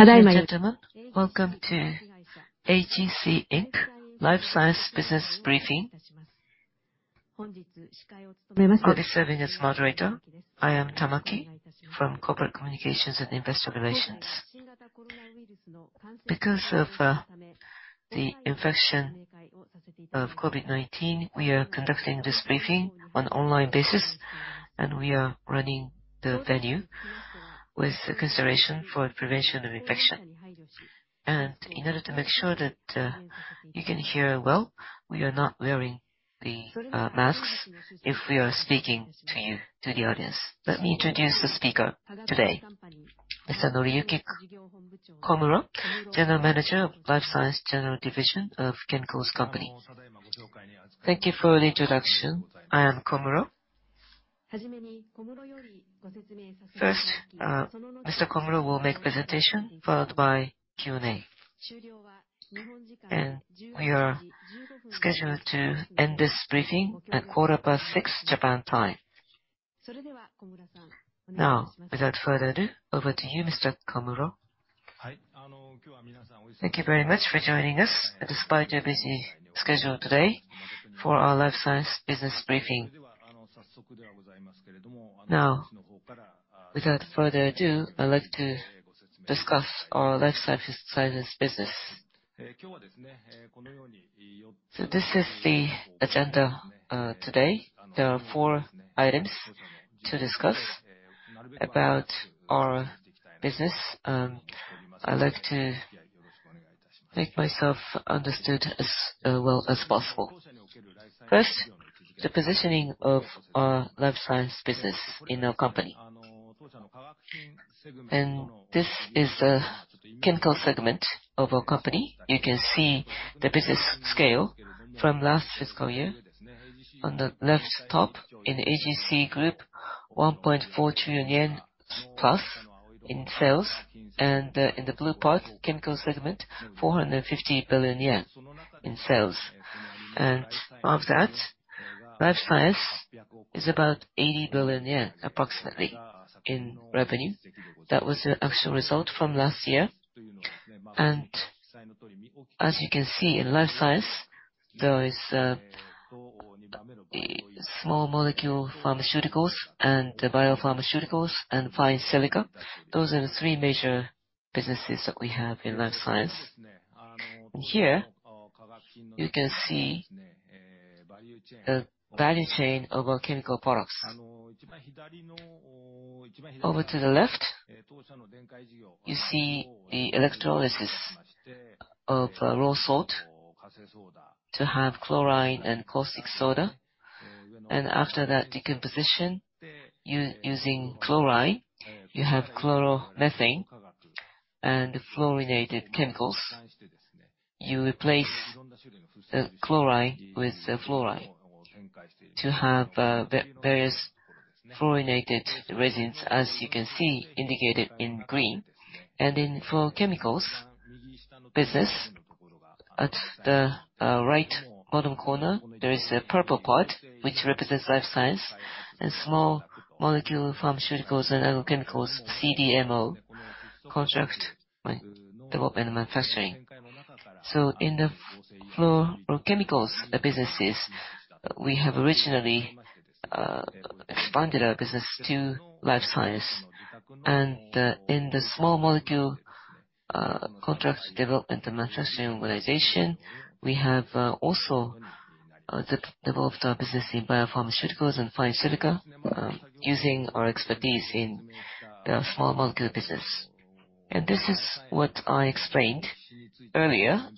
Ladies and gentlemen, welcome to AGC Inc. Life Science Business Briefing. I'll be serving as moderator. I am Tamaki from Corporate Communications and Investor Relations. Because of the infection of COVID-19, we are conducting this briefing on online basis, and we are running the venue with consideration for prevention of infection. In order to make sure that you can hear well, we are not wearing the masks if we are speaking to you, to the audience. Let me introduce the speaker today, Mr. Noriyuki Komuro, General Manager of Life Science General Division of Chemicals Company. Thank you for the introduction. I am Komuro. First, Mr. Komuro will make presentation followed by Q&A. We are scheduled to end this briefing at 6:15 P.M., Japan time. Now, without further ado, over to you, Mr. Komuro. Thank you very much for joining us, despite your busy schedule today for our life science business briefing. Now, without further ado, I'd like to discuss our life science business. This is the agenda today. There are four items to discuss about our business. I'd like to make myself understood as well as possible. First, the positioning of our life science business in our company. This is a chemical segment of our company. You can see the business scale from last fiscal year. On the left top in AGC Group, 1.4 trillion yen plus in sales. In the blue part, chemicals segment, 450 billion yen in sales. Of that, life science is about 80 billion yen approximately in revenue. That was the actual result from last year. As you can see in Life Science, there is small molecule pharmaceuticals and biopharmaceuticals and fine silica. Those are the three major businesses that we have in Life Science. Here, you can see the value chain of our chemical products. Over to the left, you see the electrolysis of raw salt to have chlorine and caustic soda. After that decomposition using chlorine, you have chloromethane and fluorinated chemicals. You replace the chlorine with the fluoride to have various fluorinated resins, as you can see indicated in green. In fluorochemicals business at the right bottom corner, there is a purple part which represents Life Science and small molecule pharmaceuticals and other chemicals, CDMO, Contract Development Manufacturing. In the fluorochemicals businesses, we have originally expanded our business to Life Science. In the small molecule contract development and manufacturing organization, we have also developed our business in biopharmaceuticals and fine silica using our expertise in the small molecule business. This is what I explained earlier,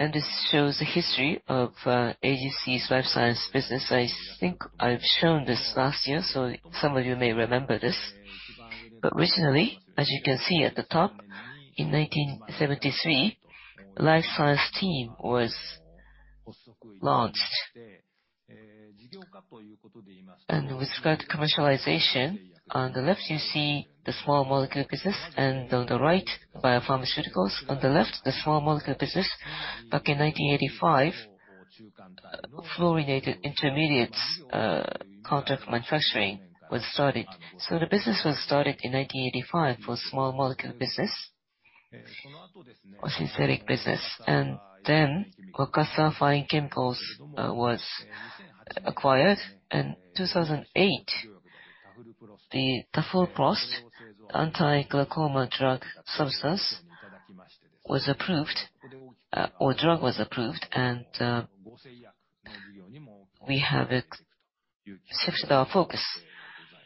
and this shows the history of AGC's life science business. I think I've shown this last year, so some of you may remember this. Originally, as you can see at the top, in 1973, life science team was launched. With regard to commercialization, on the left you see the small molecule business, and on the right, biopharmaceuticals. On the left, the small molecule business, back in 1985, fluorinated intermediates contract manufacturing was started. The business was started in 1985 for small molecule business or synthetic business. Then Wakasa Fine Chemicals was acquired. In 2008, the tafluprost anti-glaucoma drug substance was approved, or drug was approved. We have shifted our focus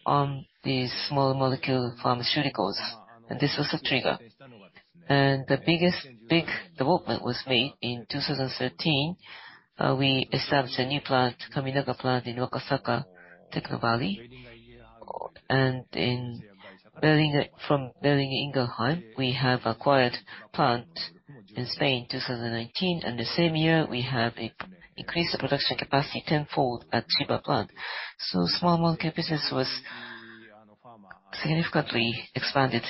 on these small molecule pharmaceuticals, and this was a trigger. The biggest development was made in 2013. We established a new plant, Kaminaka plant in Wakasa Techno Valley. From Boehringer Ingelheim, we acquired a plant in Spain, 2019. The same year, we increased the production capacity tenfold at Chiba plant. Small molecule business was significantly expanded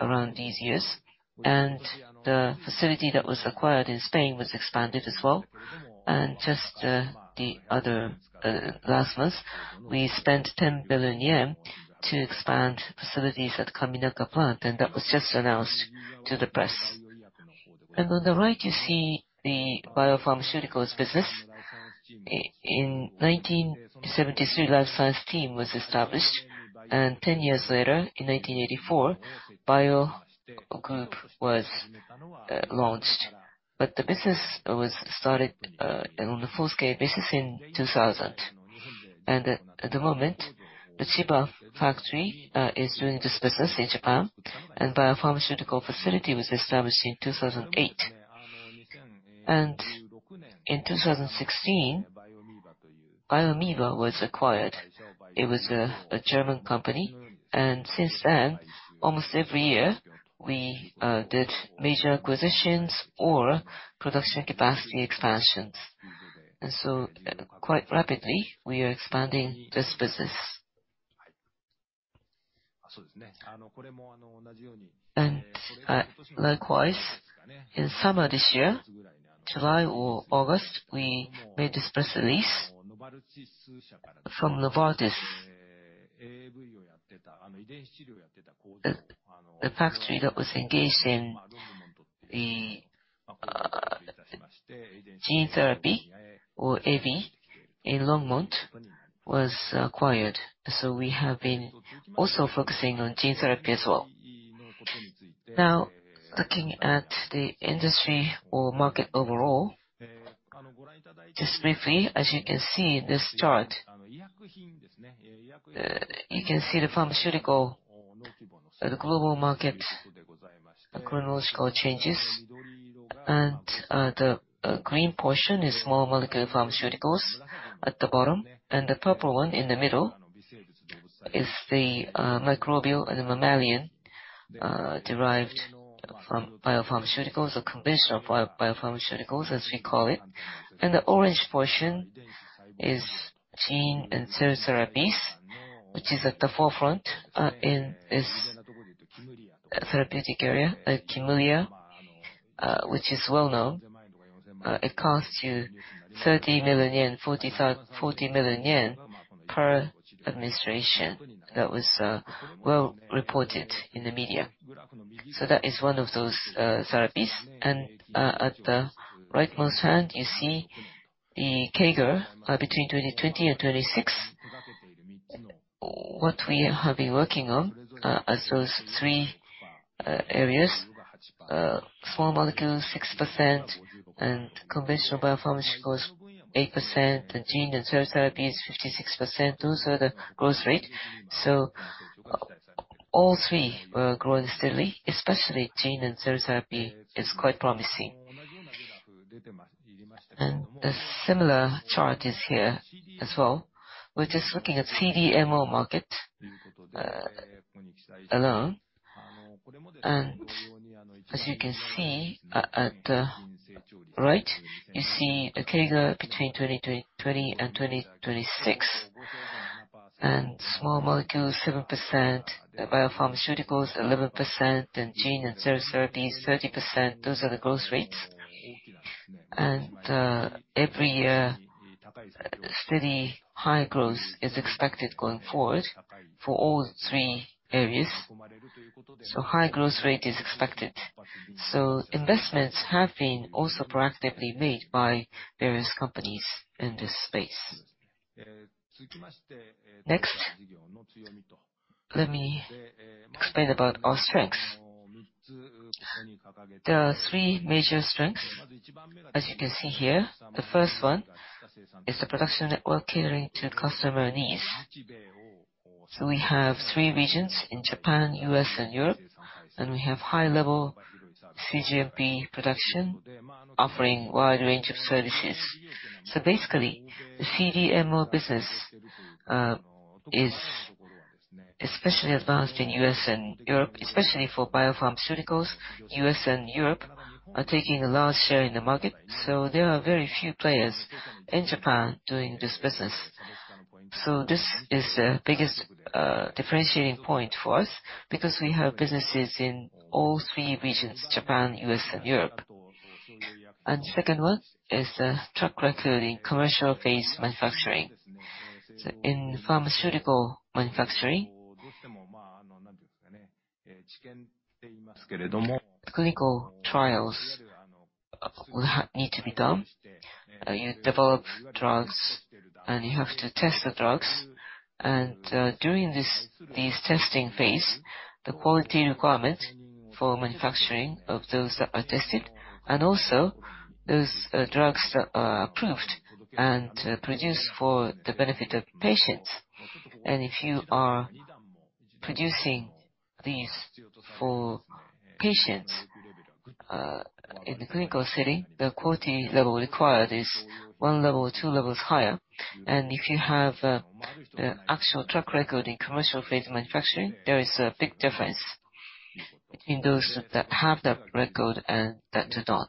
around these years. The facility that was acquired in Spain was expanded as well. Just the other last month, we spent 10 billion yen to expand facilities at Kaminaka plant, and that was just announced to the press. On the right, you see the biopharmaceuticals business. In 1973, Life Science Team was established, and ten years later, in 1984, Bio Group was launched. The business was started on a full-scale basis in 2000. At the moment, the Chiba factory is doing this business in Japan, and biopharmaceutical facility was established in 2008. In 2016, Biomeva was acquired. It was a German company, and since then, almost every year, we did major acquisitions or production capacity expansions. Quite rapidly, we are expanding this business. Likewise, in summer this year, July or August, we made this press release from Novartis. The factory that was engaged in the gene therapy or AAV in Longmont was acquired. We have been also focusing on gene therapy as well. Now, looking at the industry or market overall, just briefly, as you can see in this chart, you can see the pharmaceutical, the global market, the chronological changes. The green portion is small molecule pharmaceuticals at the bottom, and the purple one in the middle is the microbial and the mammalian derived biopharmaceuticals or conventional biopharmaceuticals, as we call it. The orange portion is gene and cell therapies, which is at the forefront in this therapeutic area. Like Kymriah, which is well known. It costs you 30 million yen, 40 million yen per administration. That was well-reported in the media. That is one of those therapies. At the rightmost hand, you see the CAGR between 2020 and 2026. What we have been working on are those three areas. Small molecule, 6%, and conventional biopharmaceuticals, 8%, and gene and cell therapy is 56%. Those are the growth rate. All three are growing steadily, especially gene and cell therapy is quite promising. A similar chart is here as well. We're just looking at CDMO market alone. As you can see at the right, you see a CAGR between 2020 and 2026. Small molecules, 7%, biopharmaceuticals, 11%, and gene and cell therapies, 30%. Those are the growth rates. Every year, steady high growth is expected going forward for all three areas. High growth rate is expected. Investments have been also proactively made by various companies in this space. Next, let me explain about our strengths. There are three major strengths, as you can see here. The first one is the production network catering to customer needs. We have three regions in Japan, U.S. and Europe, and we have high-level cGMP production offering wide range of services. Basically, the CDMO business is especially advanced in U.S. and Europe, especially for biopharmaceuticals. U.S. and Europe are taking a large share in the market. There are very few players in Japan doing this business. This is the biggest differentiating point for us because we have businesses in all three regions, Japan, U.S. and Europe. Second one is the track record in commercial phase manufacturing. In pharmaceutical manufacturing, clinical trials need to be done. You develop drugs, and you have to test the drugs. During this testing phase, the quality requirement for manufacturing of those that are tested, and also those drugs that are approved and produced for the benefit of patients. If you are producing these for patients in the clinical setting, the quality level required is one level or two levels higher. If you have the actual track record in commercial phase manufacturing, there is a big difference between those that have that record and that do not.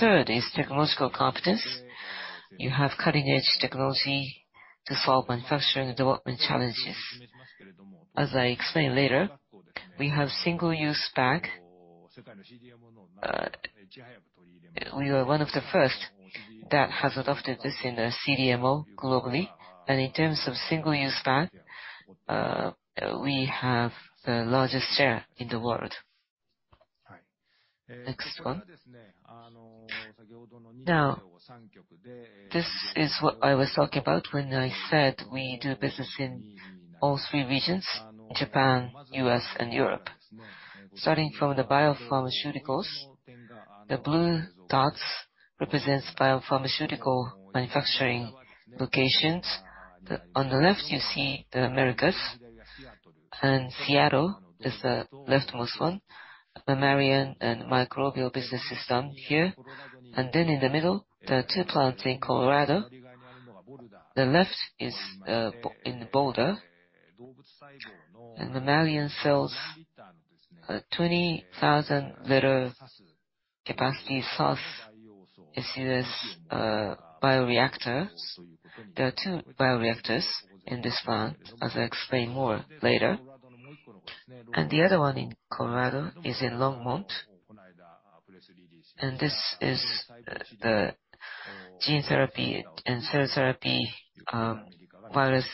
Third is technological competence. You have cutting-edge technology to solve manufacturing and development challenges. As I explain later, we have single-use bag. We are one of the first that has adopted this in the CDMO globally. In terms of single-use bag, we have the largest share in the world. Next one. Now, this is what I was talking about when I said we do business in all three regions, Japan, U.S. and Europe. Starting from the biopharmaceuticals, the blue dots represents biopharmaceutical manufacturing locations. Then, on the left, you see the Americas, and Seattle is the leftmost one. Mammalian and microbial business is done here. Then in the middle, there are two plants in Colorado. The left is in Boulder. Mammalian cells, 20,000-liter capacity SUS is used as bioreactors. There are two bioreactors in this plant, as I explain more later. The other one in Colorado is in Longmont. This is the gene therapy and cell therapy viral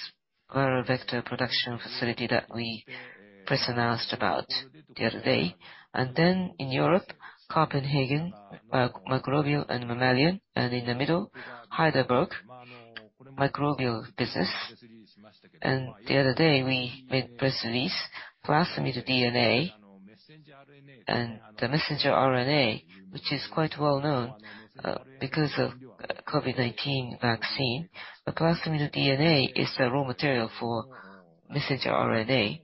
vector production facility that we press announced about the other day. In Europe, Copenhagen, microbial and mammalian, and in the middle, Heidelberg, microbial business. The other day, we made a press release, plasmid DNA and the messenger RNA, which is quite well known, because of COVID-19 vaccine. Plasmid DNA is the raw material for messenger RNA.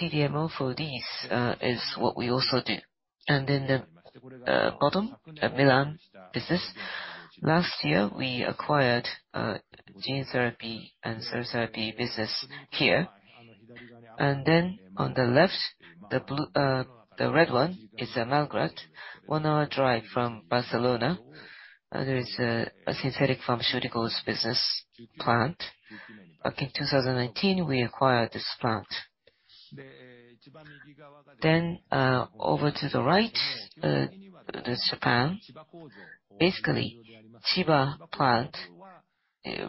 CDMO for these is what we also do. In the bottom, the Milan business. Last year, we acquired a gene therapy and cell therapy business here. Then on the left, the blue, the red one is the Malgrat, one hour drive from Barcelona. There is a synthetic pharmaceuticals business plant. Back in 2018, we acquired this plant. Over to the right, that is Japan. Basically, Chiba plant,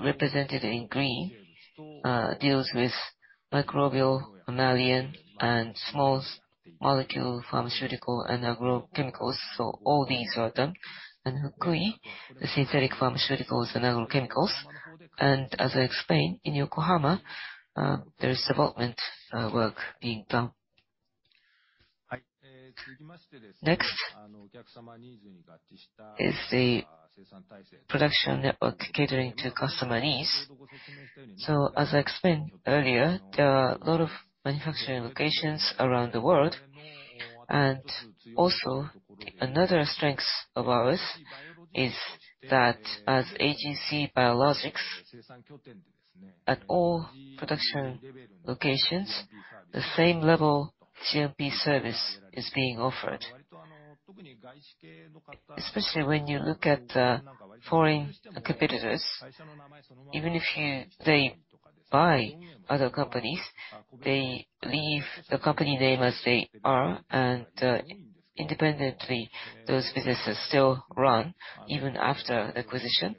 represented in green, deals with microbial, mammalian and small molecule pharmaceutical and agrochemicals. All these are done. Fukui, the synthetic pharmaceuticals and agrochemicals. As I explained, in Yokohama, there is development work being done. Next is the production network catering to customer needs. As I explained earlier, there are a lot of manufacturing locations around the world. Also, another strength of ours is that as AGC Biologics, at all production locations, the same level GMP service is being offered. Especially when you look at the foreign competitors, even if they buy other companies, they leave the company name as they are, and independently, those businesses still run even after acquisition.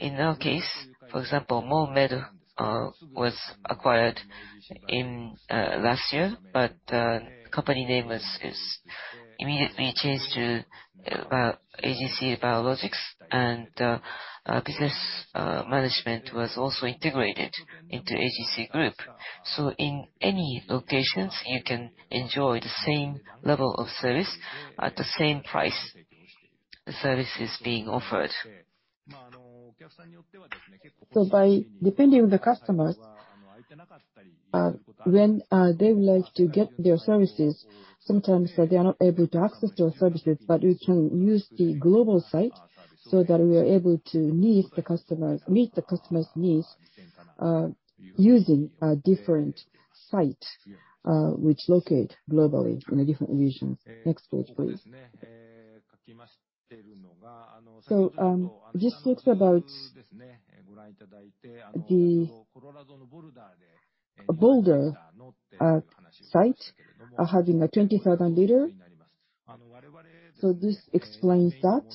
In our case, for example, MolMed was acquired in last year, but company name was immediately changed to AGC Biologics. Business management was also integrated into AGC Group. In any locations, you can enjoy the same level of service at the same price. The service is being offered. By depending on the customers, when they would like to get their services, sometimes they are not able to access those services, but we can use the global site so that we are able to meet the customer's needs, using different sites, which locate globally in a different region. Next page, please. This talks about the Boulder site having a 20,000-liter. This explains that.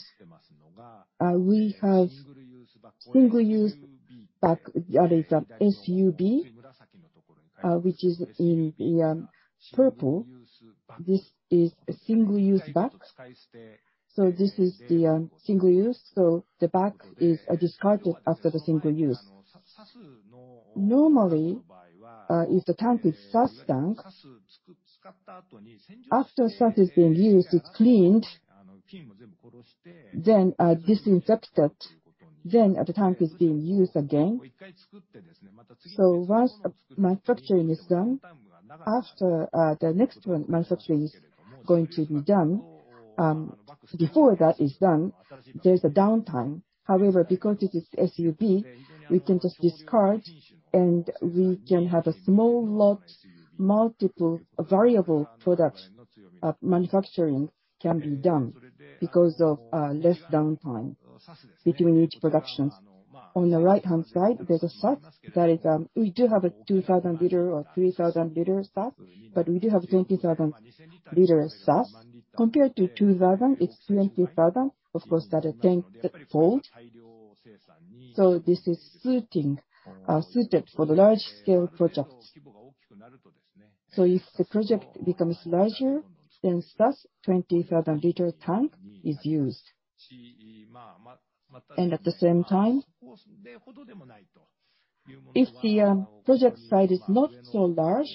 We have single-use bag, there is SUB, which is in the purple. This is a single-use bag. This is the single use. The bag is discarded after the single use. Normally, if the tank is SUS tank, after SUS has been used, it's cleaned, then disinfected, then the tank is being used again. Once manufacturing is done, after the next one manufacturing is going to be done, before that is done, there's a downtime. However, because it is SUS, we can just discard, and we can have a small lot, multiple variable products, manufacturing can be done because of less downtime between each production. On the right-hand side, there's a SUS that is, we do have a 2000 liter or 3000 liter SUS, but we do have 20,000 liter SUS. Compared to 2000, it's 20,000. Of course, that is 10-fold. This is suited for the large-scale projects. If the project becomes larger, then SUS 20,000 liter tank is used. At the same time, if the project size is not so large,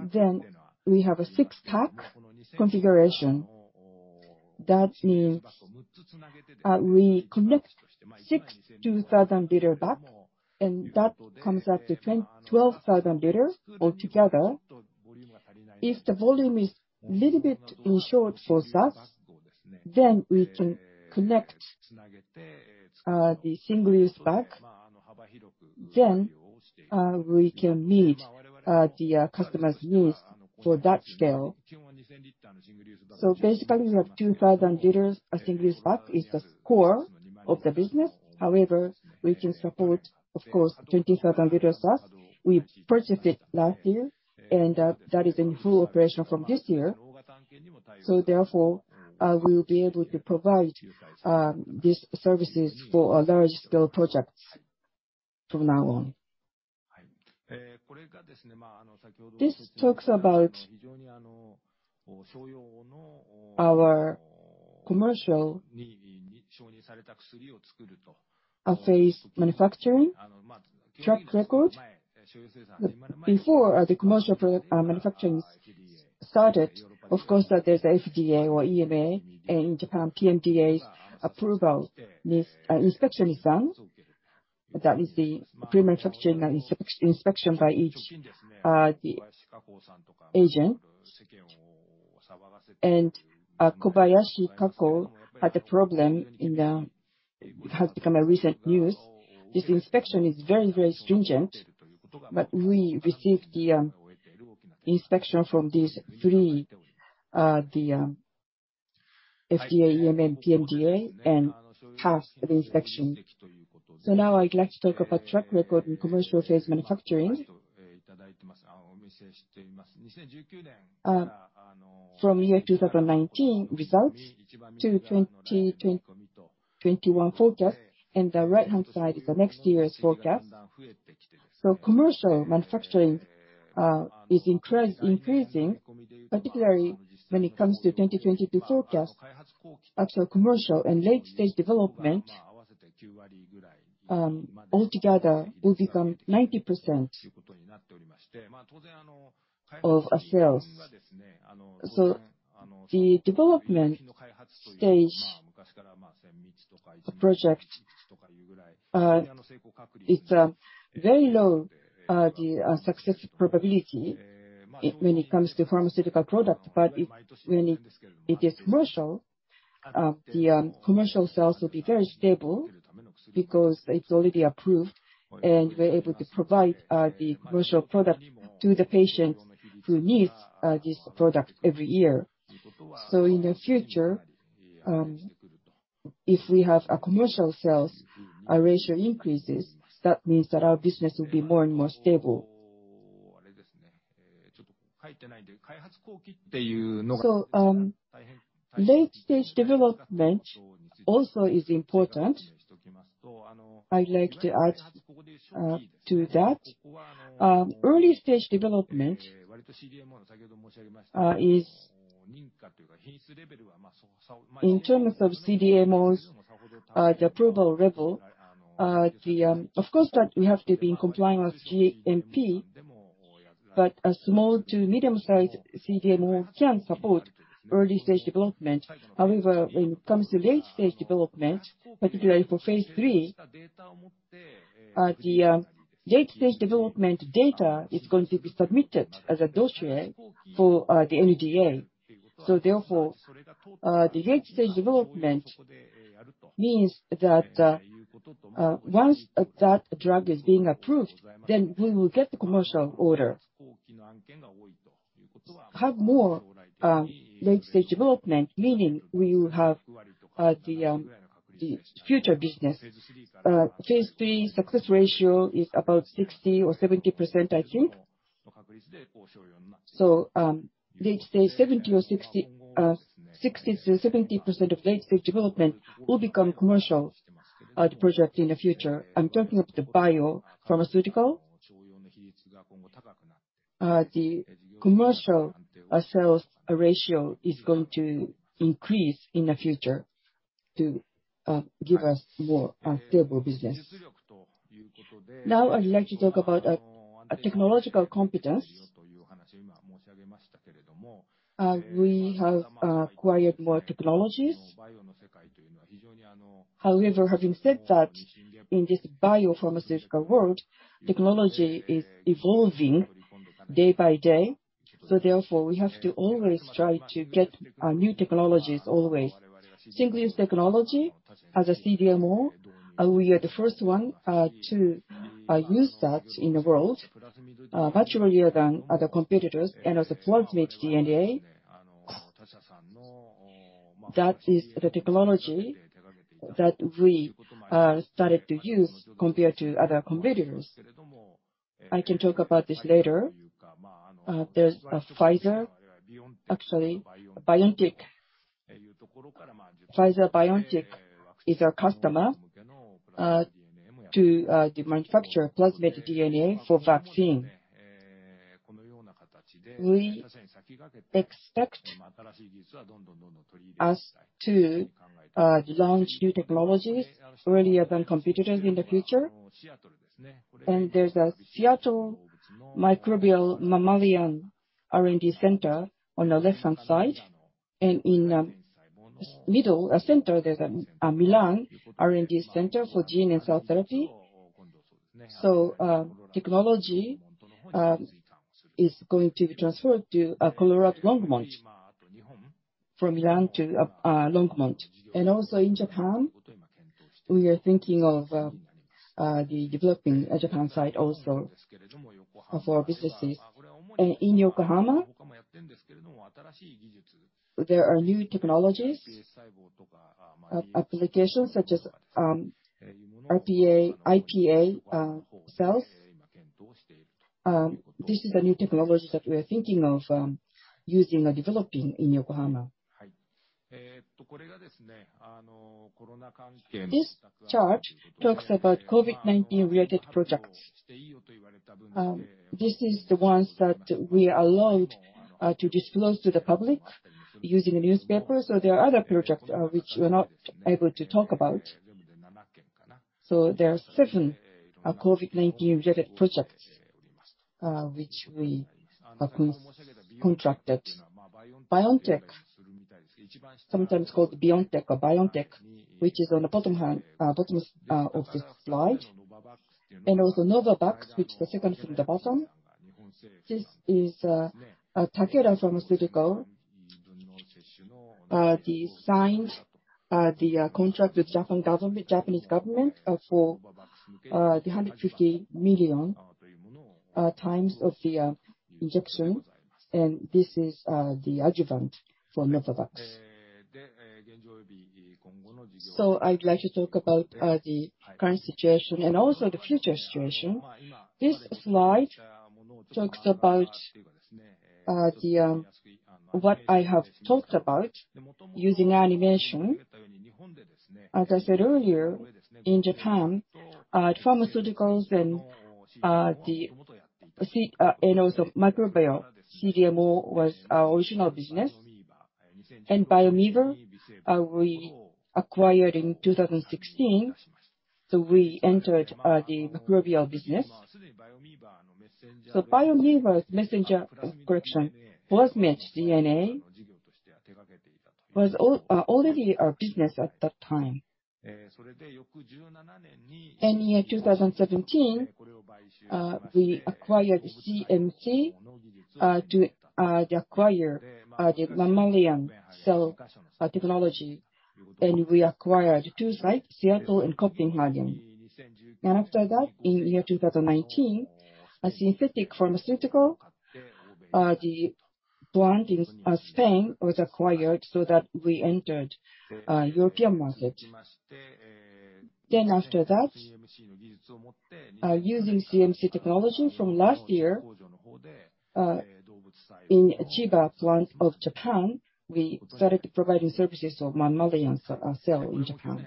then we have a six-pack configuration. That means we connect six 2000 liter bag, and that comes up to 12,000 liters altogether. If the volume is a little bit short for SUS, then we can connect the single-use bag. We can meet the customer's needs for that scale. Basically, we have 2,000-liter single-use bag is the core of the business. However, we can support, of course, 20,000-liter SUS. We purchased it last year, and that is in full operation from this year. We will be able to provide these services for large-scale projects from now on. This talks about our commercial-phase manufacturing track record. Before the commercial manufacturing started, of course, that there's FDA or EMA, and in Japan, PMDA's approval. This inspection is done. That is the pre-manufacturing inspection by each agency. Kobayashi Kako had a problem in the. It has become recent news. This inspection is very stringent, but we received the inspection from these three, the FDA, EMA, and PMDA, and passed the inspection. Now I'd like to talk about track record in commercial phase manufacturing. From year 2019 results to 2021 forecast, the right-hand side is the next year's forecast. Commercial manufacturing is increasing, particularly when it comes to 2022 forecast. Actual commercial and late-stage development altogether will become 90% of our sales. The development stage project, it's a very low success probability when it comes to pharmaceutical product. When it is commercial, the commercial sales will be very stable because it's already approved, and we're able to provide the commercial product to the patient who needs this product every year. In the future, if we have a commercial sales, our ratio increases, that means that our business will be more and more stable. Late-stage development also is important. I'd like to add to that. Early-stage development is in terms of CDMOs, the approval level, of course, that we have to be in compliance with GMP, but a small to medium-sized CDMO can support early-stage development. However, when it comes to late-stage development, particularly for phase III, late-stage development data is going to be submitted as a dossier for the NDA. Therefore, the late-stage development means that, once that drug is being approved, then we will get the commercial order. Having more late-stage development, meaning we will have the future business. Phase III success ratio is about 60% or 70%, I think. Late-stage 60%-70% of late-stage development will become commercial project in the future. I'm talking of the biopharmaceutical. The commercial sales ratio is going to increase in the future to give us more stable business. Now, I would like to talk about technological competence. We have acquired more technologies. However, having said that, in this biopharmaceutical world, technology is evolving day by day. Therefore, we have to always try to get new technologies always. Single-use technology as a CDMO, we are the first one to use that in the world, much earlier than other competitors. As a plasmid DNA, that is the technology that we started to use compared to other competitors. I can talk about this later. There's a Pfizer, actually BioNTech. Pfizer-BioNTech is our customer to manufacture plasmid DNA for vaccine. We expect to launch new technologies earlier than competitors in the future. There's a Seattle microbial and mammalian R&D center on the left-hand side. In middle center, there's a Milan R&D center for gene and cell therapy. Technology is going to be transferred to Colorado, Longmont, from Milan to Longmont. Also in Japan, we are thinking of developing a Japan site also of our businesses. In Yokohama, there are new technologies, applications such as RPA, iPS cells. This is the new technologies that we are thinking of using or developing in Yokohama. This chart talks about COVID-19-related projects. This is the ones that we are allowed to disclose to the public using the newspapers. There are other projects which we're not able to talk about. There are seven COVID-19-related projects which we have contracted. BioNTech, sometimes called BioNTech or BioNTech, which is on the bottom of this slide, and also Novavax, which is the second from the bottom. This is Takeda Pharmaceutical. They signed the contract with the Japanese government for the 150 million times of the injection. This is the adjuvant for Novavax. I'd like to talk about the current situation and also the future situation. This slide talks about what I have talked about using animation. As I said earlier, in Japan, pharmaceuticals and also microbial CDMO was our original business. Biomeva, we acquired in 2016, so we entered the microbial business. Biomeva's messenger, correction, plasmid DNA was already our business at that time. Year 2017, we acquired CMC to acquire the mammalian cell technology. We acquired two sites, Seattle and Copenhagen. After that, in year 2019, a synthetic pharmaceutical the plant in Spain was acquired so that we entered European market. After that, using CMC technology from last year in Chiba plant of Japan, we started providing services of mammalian cell in Japan.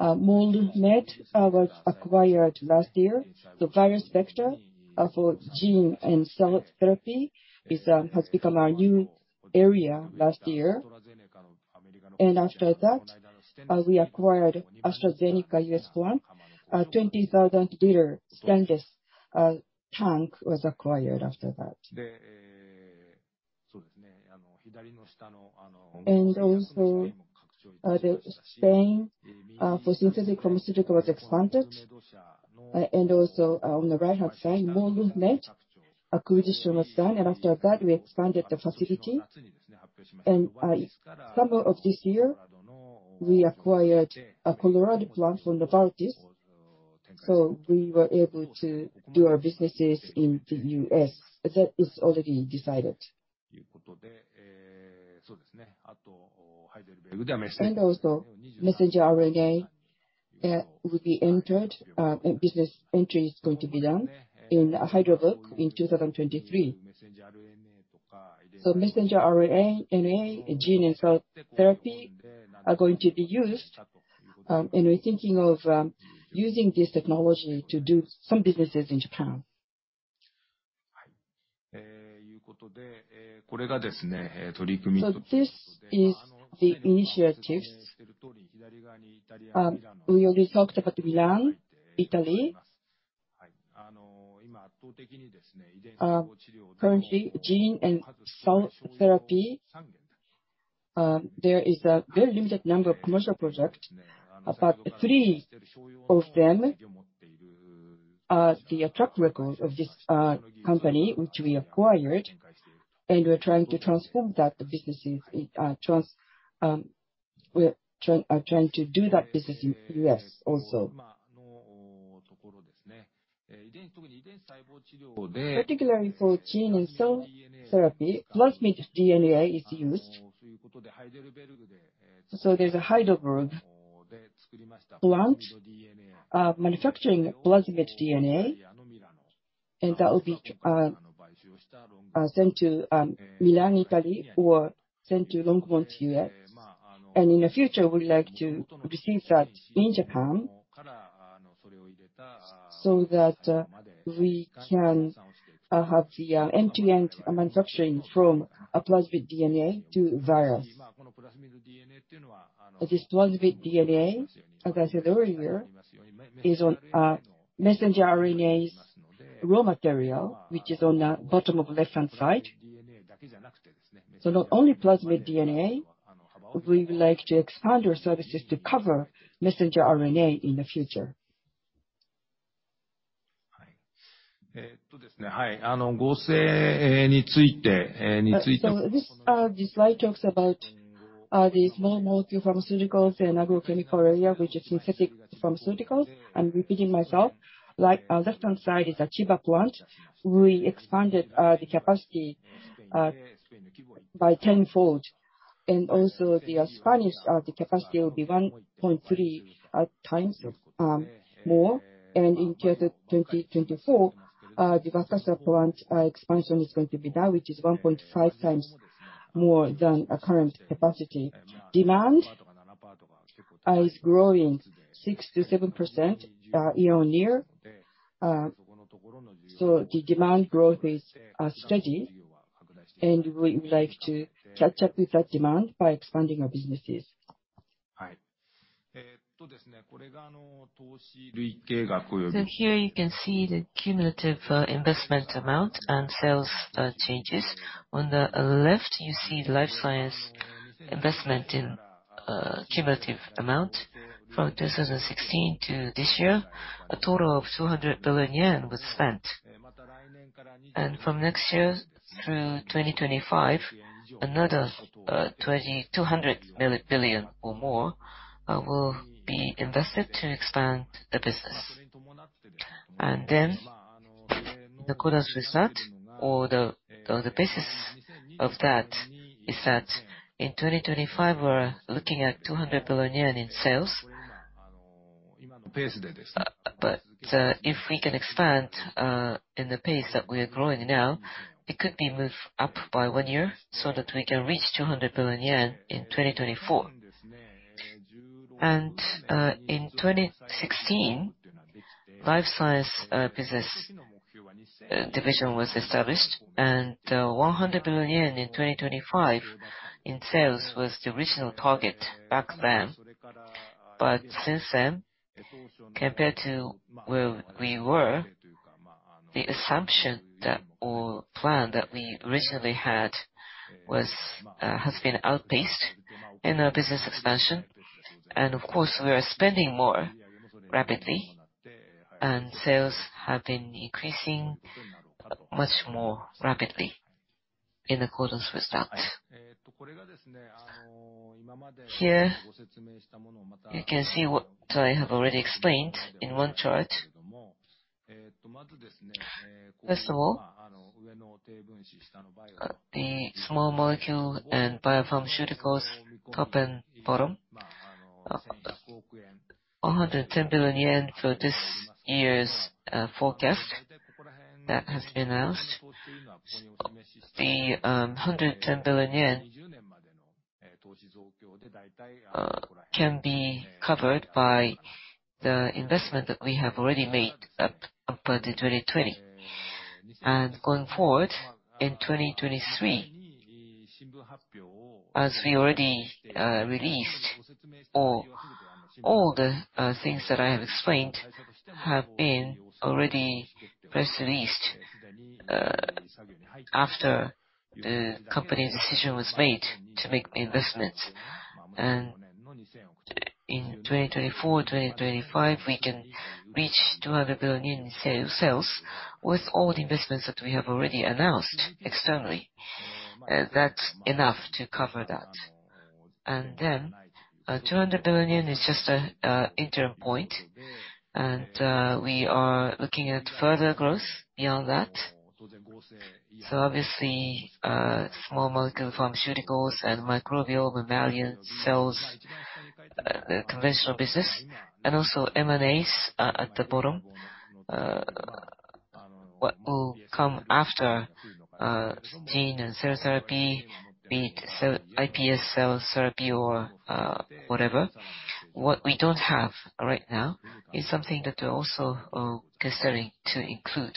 MolMed was acquired last year. The viral vector for gene and cell therapy has become our new area last year. After that, we acquired AstraZeneca U.S. plant. 20,000-liter stainless tank was acquired after that. The Spain for synthetic pharmaceutical was expanded. On the right-hand side, MolMed acquisition was done. After that, we expanded the facility. Summer of this year, we acquired a Colorado plant from Novartis, so we were able to do our businesses in the U.S. That is already decided. Messenger RNA will be entered business entry is going to be done in Heidelberg in 2023. Messenger RNA and gene and cell therapy are going to be used, and we're thinking of using this technology to do some businesses in Japan. This is the initiatives. We already talked about Milan, Italy. Currently, gene and cell therapy, there is a very limited number of commercial products. About three of them are the track record of this company which we acquired, and we're trying to transform that business, and we're trying to do that business in the U.S. also. Particularly for gene and cell therapy, plasmid DNA is used. There's a Heidelberg plant manufacturing plasmid DNA, and that will be sent to Milan, Italy, or sent to Longmont, U.S. In the future, we'd like to receive that in Japan so that we can have the end-to-end manufacturing from a plasmid DNA to virus. This plasmid DNA, as I said earlier, is one messenger RNA's raw material, which is on the bottom of left-hand side. Not only plasmid DNA, we would like to expand our services to cover messenger RNA in the future. This slide talks about the small molecule pharmaceuticals and agrochemical area, which is synthetic pharmaceuticals. I'm repeating myself. Like left-hand side is Chiba plant. We expanded the capacity by tenfold. The Spanish capacity will be 1.3 times more. In quarter 2024, the Wakasa plant expansion is going to be done, which is 1.5 times more than our current capacity. Demand is growing 6%-7% year-on-year. The demand growth is steady, and we would like to catch up with that demand by expanding our businesses. Here you can see the cumulative investment amount and sales changes. On the left, you see the Life Science investment in cumulative amount. From 2016 to this year, a total of 200 billion yen was spent. From next year through 2025, another 2,200 billion or more will be invested to expand the business. Then the corresponding result or the basis of that is that in 2025, we're looking at 200 billion yen in sales. If we can expand at the pace that we are growing now, it could be moved up by one year so that we can reach 200 billion yen in 2024. In 2016, Life Science Business Division was established, and 100 billion yen in 2025 in sales was the original target back then. Since then, compared to where we were, the plan that we originally had has been outpaced in our business expansion. Of course, we are spending more rapidly, and sales have been increasing much more rapidly in accordance with that. Here you can see what I have already explained in one chart. First of all, the small molecule and biopharmaceuticals, top and bottom. 110 billion yen for this year's forecast that has been announced. The 110 billion yen can be covered by the investment that we have already made up until 2020. Going forward, in 2023, as we already released, or all the things that I have explained have been already press released, after the company's decision was made to make the investments. In 2024, 2025, we can reach 200 billion in sales with all the investments that we have already announced externally. That's enough to cover that. Then, 200 billion is just an interim point, and we are looking at further growth beyond that. Obviously, small molecule pharmaceuticals and microbial mammalian cells, conventional business, and also M&As at the bottom. What will come after gene and cell therapy, be it iPS cell therapy or whatever. What we don't have right now is something that we're also considering to include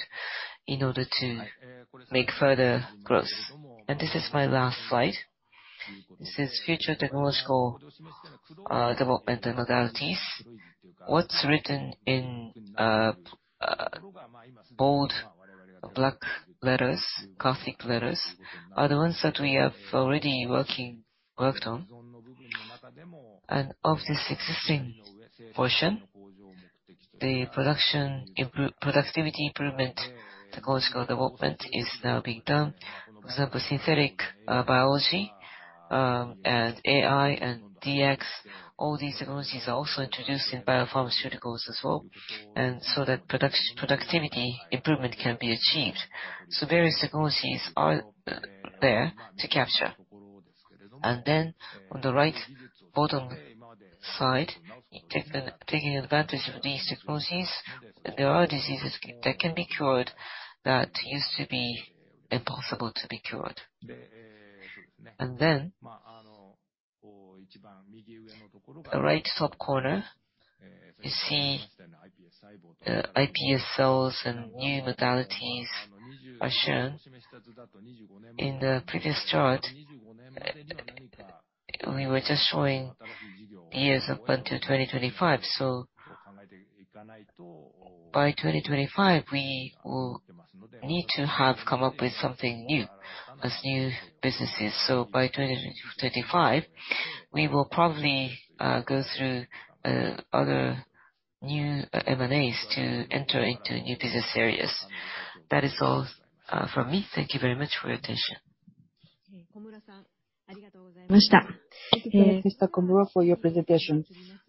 in order to make further growth. This is my last slide. This is future technological development modalities. What's written in bold black letters, Gothic letters, are the ones that we have already worked on. Of this existing portion, the productivity improvement technological development is now being done. For example, synthetic biology and AI and DX. All these technologies are also introduced in biopharmaceuticals as well. Productivity improvement can be achieved. Various technologies are there to capture. On the right bottom side, taking advantage of these technologies, there are diseases that can be cured that used to be impossible to be cured. In the right top corner, you see iPS cells and new modalities are shown. In the previous chart, we were just showing years up until 2025. By 2025, we will need to have come up with something new as new businesses. By 2025, we will probably go through other new M&As to enter into new business areas. That is all from me. Thank you very much for your attention. Thank you very much, Mr. Komuro, for your presentation.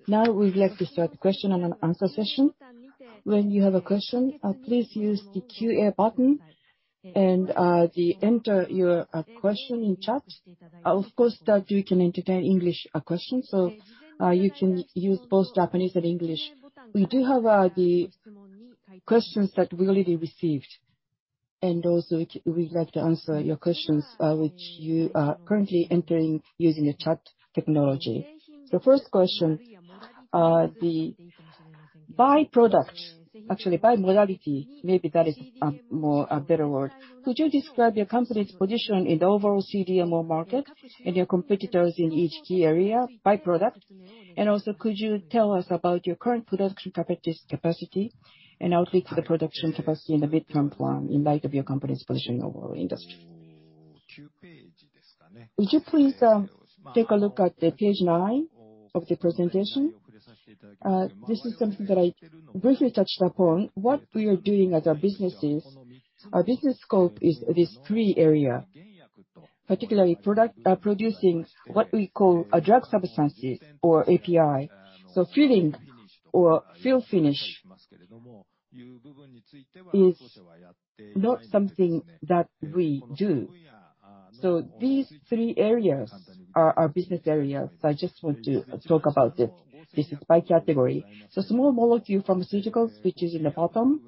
Now we'd like to start the question and an answer session. When you have a question, please use the QA button and then enter your question in chat. Of course, we can entertain English questions, so you can use both Japanese and English. We do have the questions that we already received, and also we'd like to answer your questions, which you are currently entering using the chat technology. The first question, the byproduct, actually by modality, maybe that is a better word. Could you describe your company's position in the overall CDMO market and your competitors in each key area by product? Could you tell us about your current production capacity and outlook for the production capacity in the midterm plan in light of your company's position in the overall industry? Would you please take a look at the page nine of the presentation? This is something that I briefly touched upon. What we are doing as our business is, our business scope is this three area, particularly product producing what we call a drug substances or API. So filling or fill finish is not something that we do. So these three areas are our business areas. I just want to talk about it. This is by category. So small molecule pharmaceuticals, which is in the bottom.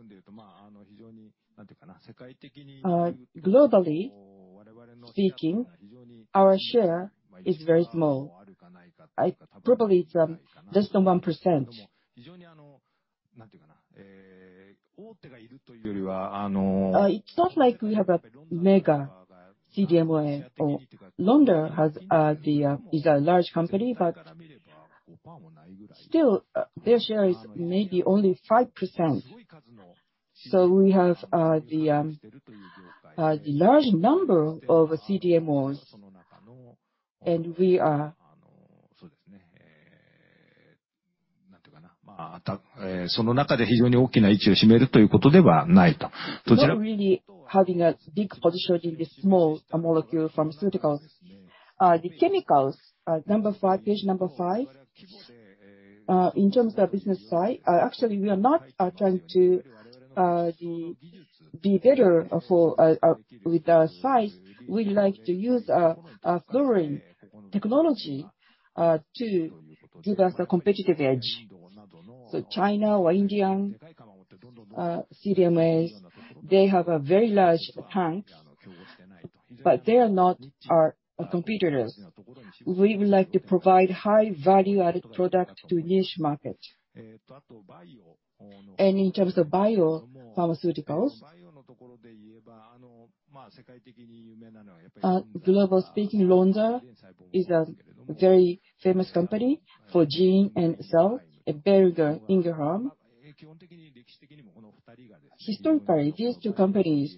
Globally speaking, our share is very small. Probably it's less than 1%. It's not like we have a mega CDMO. Lonza is a large company, but still, their share is maybe only 5%. We have the large number of CDMOs, and we are not really having a big position in the small molecule pharmaceuticals. The chemicals, number five, page number five. In terms of business size, actually we are not trying to be better with our size. We like to use our fluorine technology to give us a competitive edge. China or Indian CDMOs, they have a very large tank, but they are not our competitors. We would like to provide high value-added product to niche markets. In terms of biopharmaceuticals, globally speaking, Lonza is a very famous company for gene and cell, and Boehringer Ingelheim. Historically, these two companies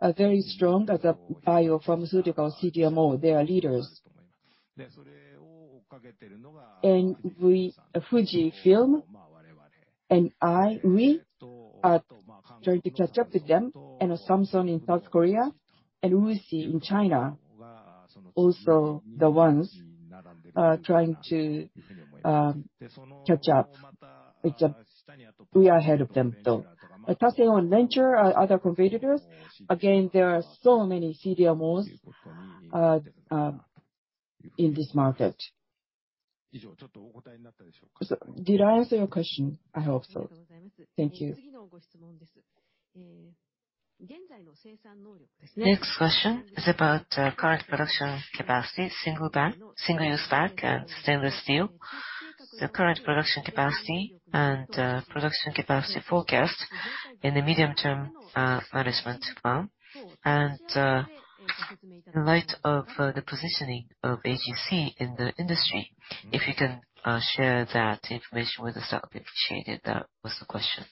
are very strong as a biopharmaceutical CDMO. They are leaders. We, Fujifilm, and I, we are trying to catch up with them. Samsung in South Korea and WuXi in China, also the ones trying to catch up. It's we are ahead of them, though. Apart from Venture, our other competitors, again, there are so many CDMOs in this market. Did I answer your question? I hope so. Thank you. Next question is about current production capacity, single bag, single-use bag and stainless steel. The current production capacity and production capacity forecast in the medium-term management plan. In light of the positioning of AGC in the industry, if you can share that information with us, that would be appreciated. That was the question.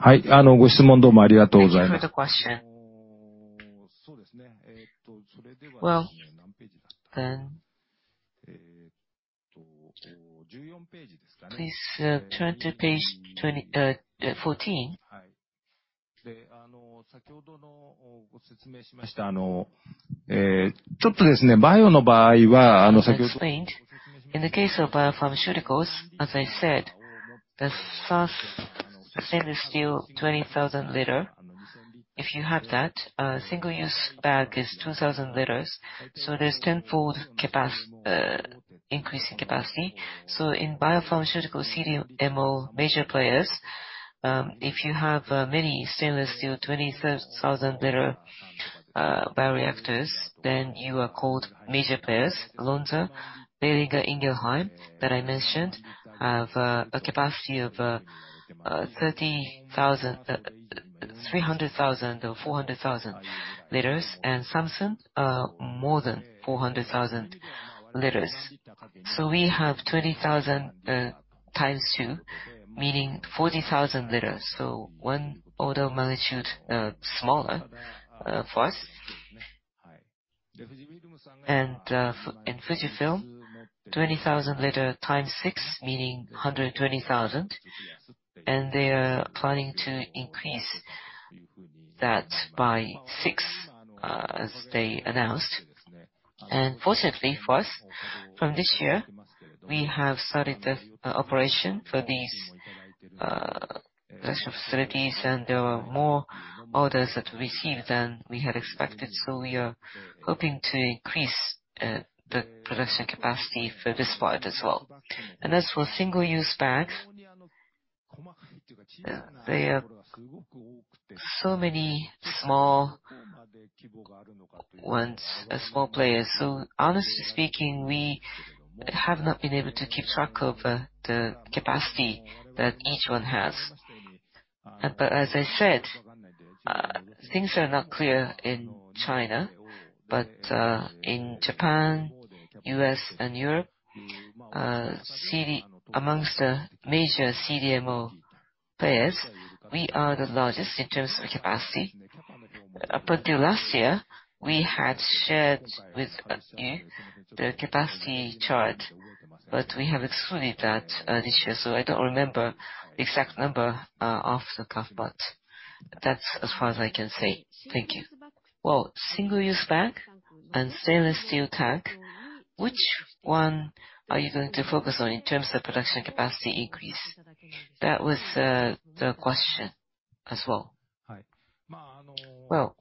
Hi. Thank you for the question. Well, please turn to page 20, 14. As explained, in the case of biopharmaceuticals, as I said, the first thing is still 20,000-liter. If you have that, single-use bag is 2,000 liters, so there's tenfold increase in capacity. In biopharmaceutical CDMO major players, if you have many stainless steel 20,000-liter bioreactors, then you are called major players. Lonza, Boehringer Ingelheim that I mentioned, have a capacity of 300,000 or 400,000 liters. Samsung more than 400,000 liters. We have 20,000 times two, meaning 40,000 liters. One order of magnitude smaller for us. Fujifilm, 20,000-liter times six, meaning 120,000. They are planning to increase that by six, as they announced. Fortunately for us, from this year, we have started the operation for these production facilities, and there were more orders that we received than we had expected, so we are hoping to increase the production capacity for this part as well. As for single-use bags, there are so many small players. Honestly speaking, we have not been able to keep track of the capacity that each one has. But as I said, things are not clear in China, but in Japan, U.S. and Europe, among the major CDMO players, we are the largest in terms of capacity. Up until last year, we had shared with you the capacity chart, but we have excluded that this year. I don't remember the exact number, off the cuff, but that's as far as I can say. Thank you. Well, single-use bag and stainless steel tank, which one are you going to focus on in terms of production capacity increase? That was the question as well. Well,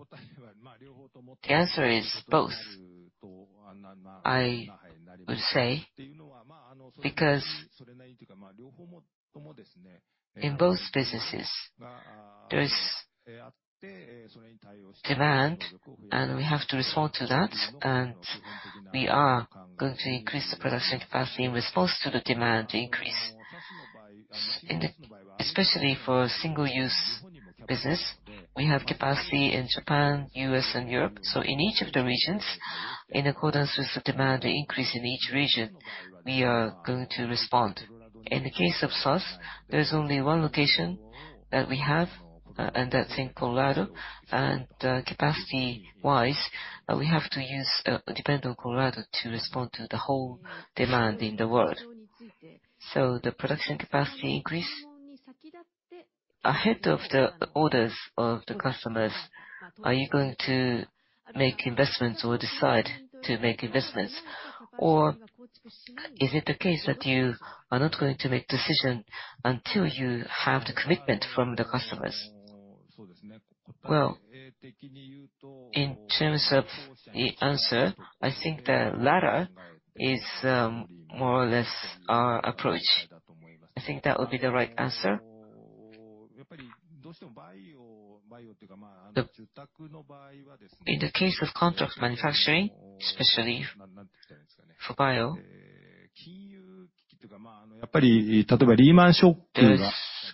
the answer is both, I would say, because in both businesses there is demand, and we have to respond to that, and we are going to increase the production capacity in response to the demand increase. Especially for single-use business, we have capacity in Japan, U.S. and Europe. In each of the regions, in accordance with the demand increase in each region, we are going to respond. In the case of SUS, there's only one location that we have, and that's in Colorado. Capacity-wise, we have to depend on Colorado to respond to the whole demand in the world. The production capacity increase? Ahead of the orders of the customers, are you going to make investments or decide to make investments? Or is it the case that you are not going to make decision until you have the commitment from the customers? Well, in terms of the answer, I think the latter is, more or less our approach. I think that would be the right answer. In the case of contract manufacturing, especially for bio, there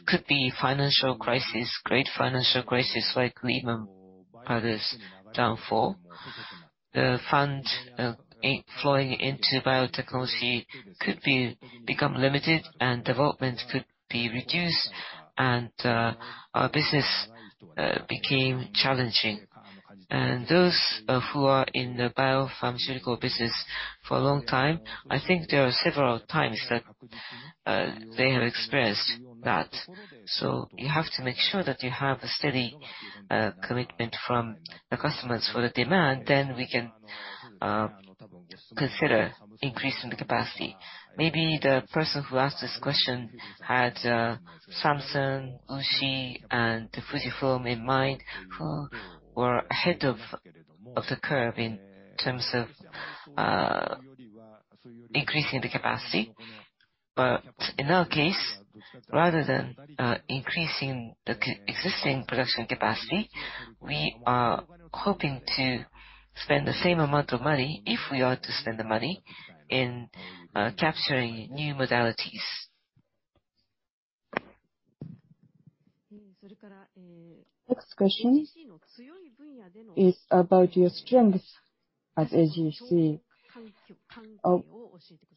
could be financial crisis, great financial crisis like Lehman Brothers' downfall. The fund, in-flowing into biotechnology could become limited and development could be reduced and, our business, became challenging. Those who are in the biopharmaceutical business for a long time, I think there are several times that they have expressed that. You have to make sure that you have a steady commitment from the customers for the demand, then we can consider increasing the capacity. Maybe the person who asked this question had Samsung, WuXi, and Fujifilm in mind, who were ahead of the curve in terms of increasing the capacity. In our case, rather than increasing the existing production capacity, we are hoping to spend the same amount of money, if we are to spend the money, in capturing new modalities. Next question is about your strengths as AGC.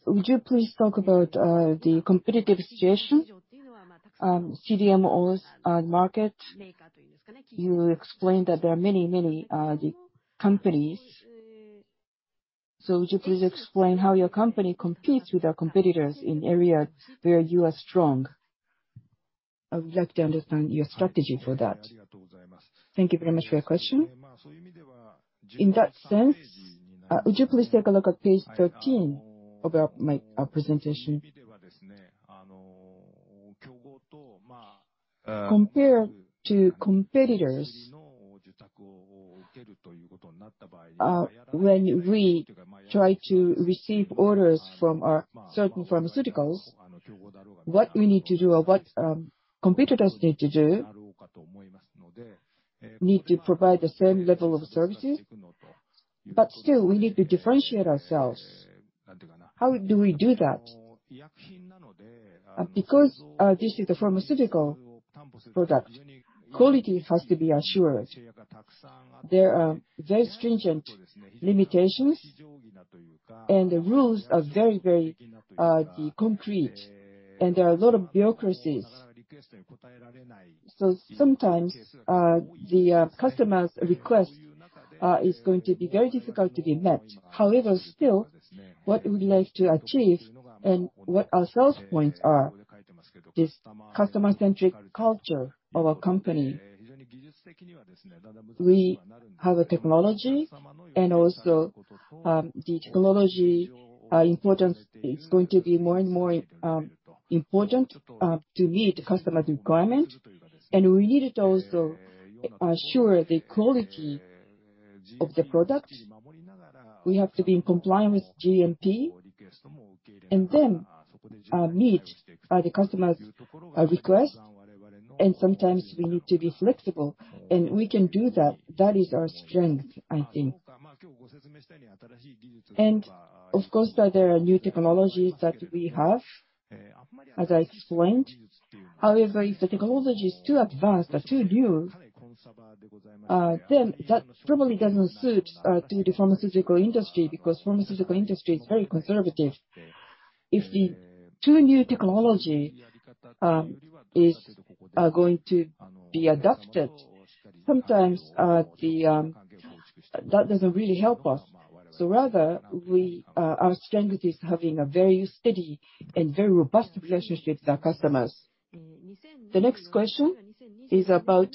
Would you please talk about the competitive situation, CDMOs market? You explained that there are many companies. Would you please explain how your company competes with our competitors in area where you are strong? I would like to understand your strategy for that. Thank you very much for your question. In that sense, would you please take a look at page 13 of my presentation. Compared to competitors, when we try to receive orders from certain pharmaceuticals, what we need to do or what competitors need to provide the same level of services. But still, we need to differentiate ourselves. How do we do that? Because this is the pharmaceutical product, quality has to be assured. There are very stringent limitations, and the rules are very concrete, and there are a lot of bureaucracies. Sometimes, customer's request is going to be very difficult to be met. However, still, what we would like to achieve and what our sales points are, this customer-centric culture of our company. We have a technology and also, the technology importance is going to be more and more, important, to meet customer requirement. We needed to also assure the quality of the product. We have to be in compliance with GMP, and then meet the customer's request, and sometimes we need to be flexible, and we can do that. That is our strength, I think. Of course, there are new technologies that we have, as I explained. However, if the technology is too advanced or too new, then that probably doesn't suit to the pharmaceutical industry, because pharmaceutical industry is very conservative. If the too-new technology is going to be adopted, sometimes that doesn't really help us. Rather, our strength is having a very steady and very robust relationship with our customers. The next question is about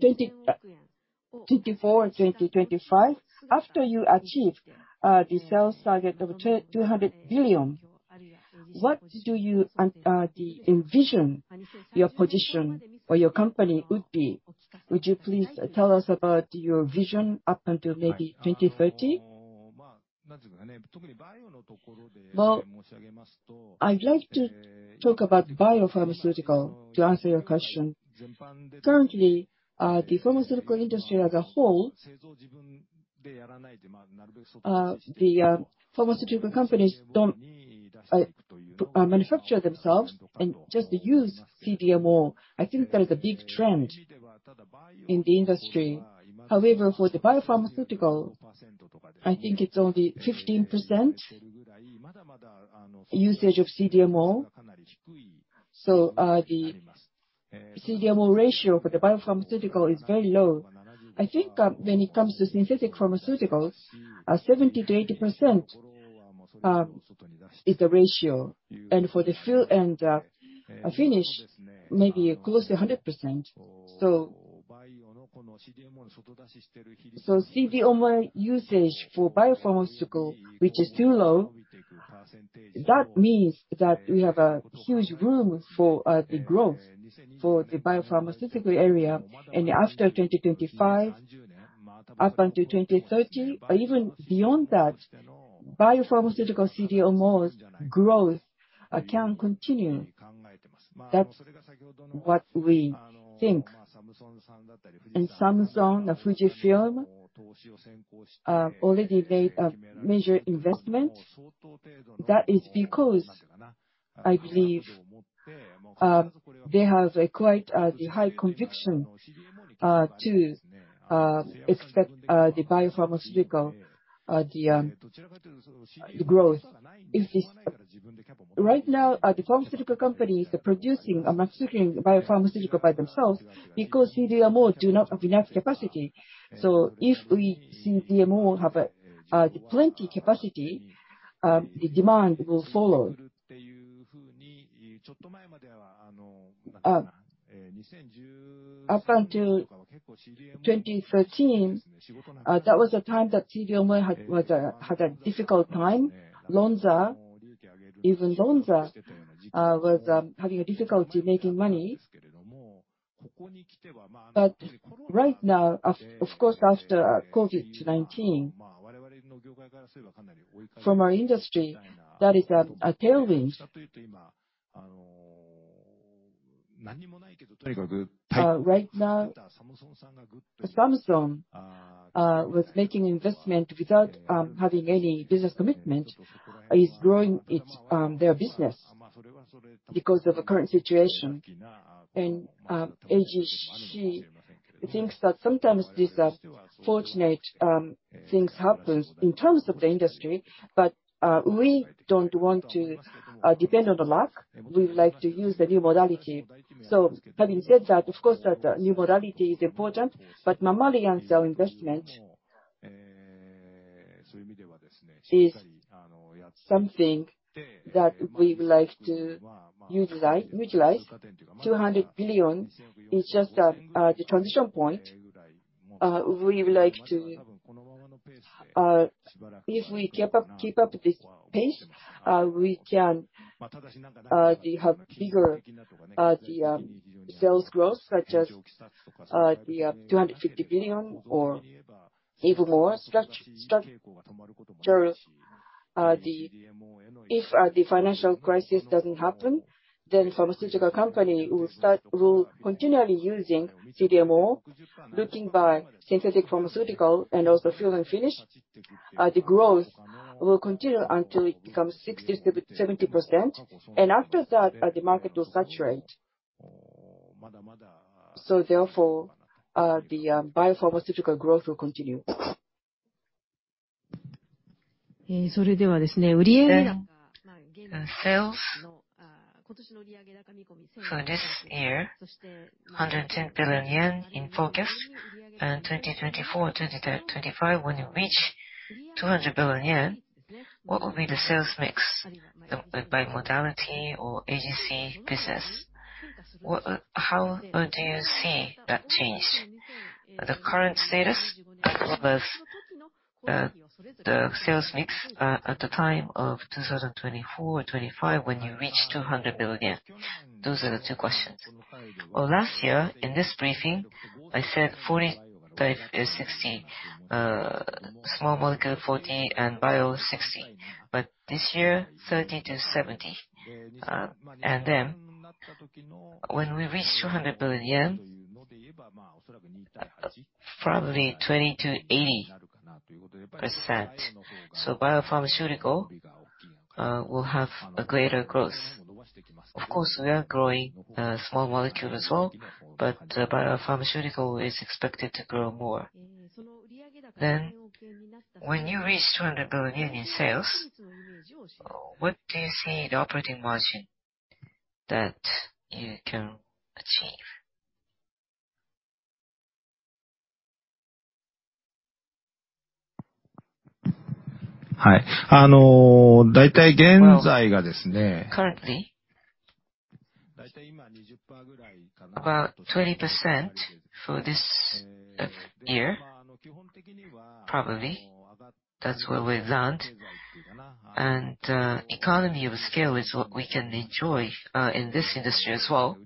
2024 and 2025. After you achieve the sales target of 200 billion, what do you anticipate, then envision your position or your company would be? Would you please tell us about your vision up until maybe 2030? Well, I'd like to talk about biopharmaceutical to answer your question. Currently, the pharmaceutical industry as a whole, the pharmaceutical companies don't primarily manufacture themselves and just use CDMO. I think there is a big trend in the industry. However, for the biopharmaceutical, I think it's only 15% usage of CDMO. The CDMO ratio for the biopharmaceutical is very low. I think, when it comes to synthetic pharmaceuticals, 70%-80% is the ratio. For the fill and finish, maybe close to 100%. CDMO usage for biopharmaceutical, which is too low, that means that we have a huge room for the growth for the biopharmaceutical area. After 2025, up until 2030, or even beyond that, biopharmaceutical CDMOs growth can continue. That's what we think. Samsung, Fujifilm already made a major investment. That is because I believe they have a quite the high conviction to accept the biopharmaceutical the growth. Right now, the pharmaceutical companies are producing or manufacturing biopharmaceutical by themselves because CDMO do not have enough capacity. If we, CDMO, have plenty capacity, the demand will follow. Up until 2013, that was the time that CDMO had a difficult time. Even Lonza was having a difficulty making money. Right now, of course, after COVID-19, from our industry, that is a tailwind. Right now, Samsung was making investment without having any business commitment is growing its their business because of the current situation. Eiji, she thinks that sometimes these are fortunate things happens in terms of the industry, but we don't want to depend on the luck. We would like to use the new modality. Having said that, of course, that new modality is important, but normally, R&D investment is something that we would like to utilize. 200 billion is just the transition point. If we keep up this pace, we can have bigger sales growth, such as 250 billion or even more. If the financial crisis doesn't happen, then pharmaceutical company will continually using CDMO, looking by synthetic pharmaceutical and also fill and finish. The growth will continue until it becomes 60%-70%. After that, the market will saturate. Therefore, biopharmaceutical growth will continue. The sales for this year, 110 billion yen in forecast, and 2024, 2025, when you reach 200 billion yen, what will be the sales mix, the by modality or AGC business? What, how do you see that change? The current status versus the sales mix at the time of 2024 or 2025 when you reach 200 billion. Those are the two questions. Well, last year, in this briefing, I said 40%-60%. Small molecule 40% and bio 60%. This year, 30%-70%. And then when we reach 200 billion yen, probably 20%-80%. Biopharmaceutical will have a greater growth. Of course, we are growing small molecule as well, but biopharmaceutical is expected to grow more. When you reach 200 billion in sales, what do you see the operating margin that you can achieve? Currently, about 20% for this year, probably. That's where we land. Economy of scale is what we can enjoy in this industry as well.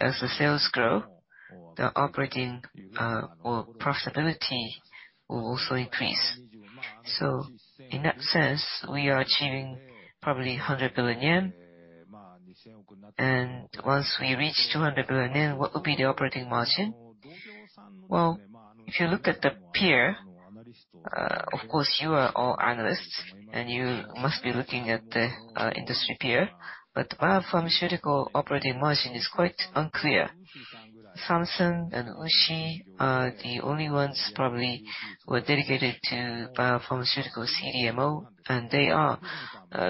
As the sales grow, the operating or profitability will also increase. In that sense, we are achieving probably 100 billion yen. Once we reach 200 billion yen, what will be the operating margin? Well, if you look at the peer, of course you are all analysts, and you must be looking at the industry peer. Biopharmaceutical operating margin is quite unclear. Samsung and WuXi are the only ones probably who are dedicated to biopharmaceutical CDMO, and they are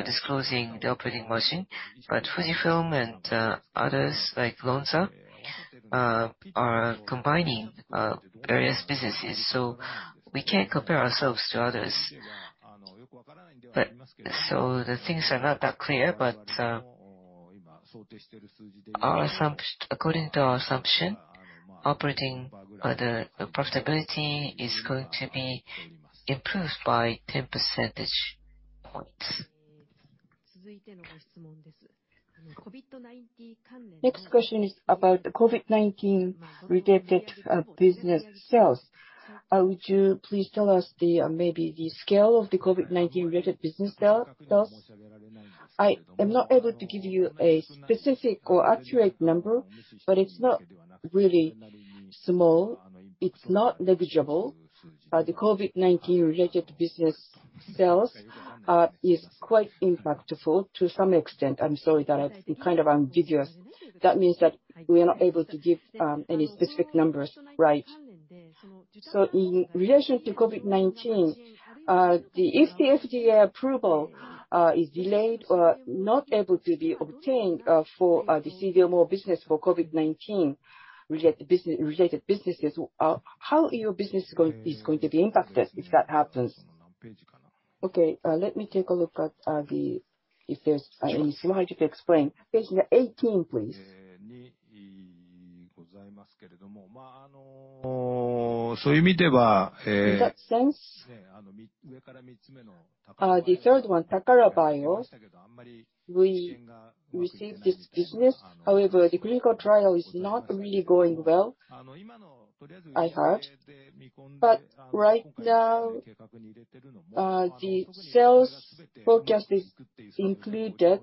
disclosing the operating margin. Fujifilm and others like Lonza are combining various businesses, so we can't compare ourselves to others. The things are not that clear. According to our assumption, operating profitability is going to be improved by 10 percentage points. Next question is about the COVID-19 related business sales. Would you please tell us the, maybe the scale of the COVID-19 related business sales? I am not able to give you a specific or accurate number, but it's not really small. It's not negligible. The COVID-19 related business sales is quite impactful to some extent. I'm sorry that I've been kind of ambiguous. That means that we are not able to give any specific numbers. Right. In relation to COVID-19, if the FDA approval is delayed or not able to be obtained for the CDMO business for COVID-19 related businesses, how your business is going to be impacted if that happens? Okay, let me take a look at if there's any summary to explain. Page 18, please. In that sense, the third one, Takara Bio, we received this business. However, the clinical trial is not really going well, I heard. Right now, the sales forecast is included.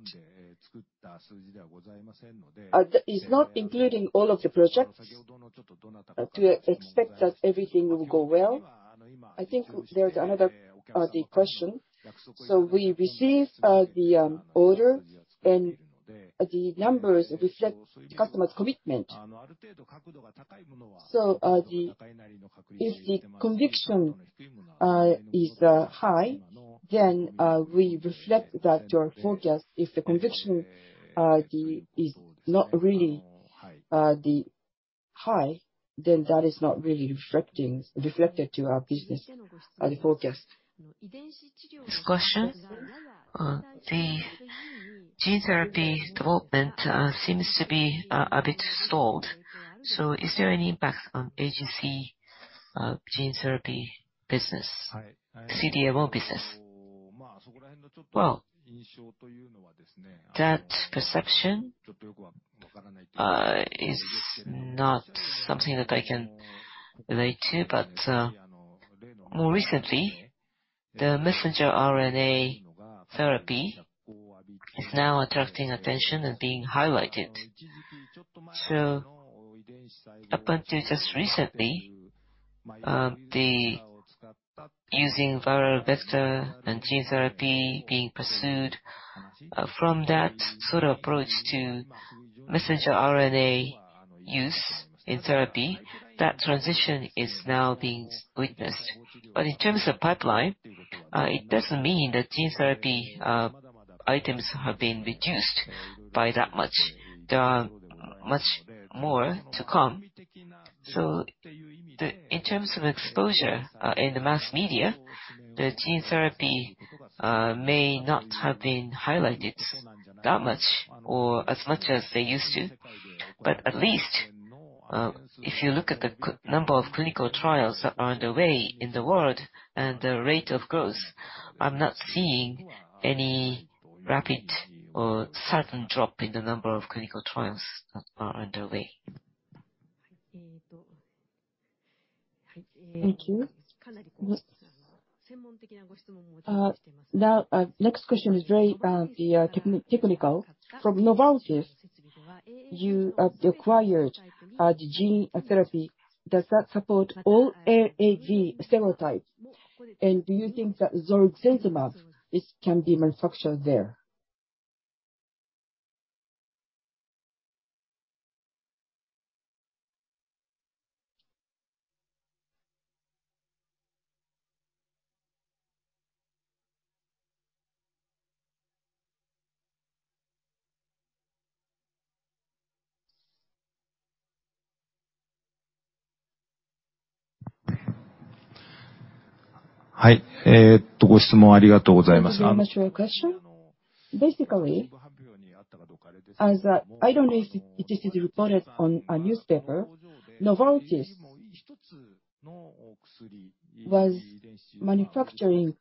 It's not including all of the projects to expect that everything will go well. I think there's another question. We receive the order, and the numbers reflect the customer's commitment. If the conviction is high, then we reflect that in your forecast. If the conviction is not really high, then that is not really reflected in our business forecast. Discussion. The gene therapy development seems to be a bit stalled. Is there any impact on AGC gene therapy business? CDMO business. Well, that perception is not something that I can relate to. More recently, the messenger RNA therapy is now attracting attention and being highlighted. Up until just recently, the using viral vector and gene therapy being pursued, from that sort of approach to messenger RNA use in therapy, that transition is now being witnessed. In terms of pipeline, it doesn't mean that gene therapy items have been reduced by that much. There are much more to come. In terms of exposure, in the mass media, the gene therapy may not have been highlighted that much or as much as they used to. At least, if you look at the number of clinical trials that are underway in the world and the rate of growth, I'm not seeing any rapid or sudden drop in the number of clinical trials that are underway. Thank you. Now, next question is very technical. From Novartis, you have acquired the gene therapy. Does that support all AAV serotypes? Do you think that Zolgensma, this can be manufactured there? Thank you very much for your question. Basically, I don't know if it is reported on a newspaper, Novartis was manufacturing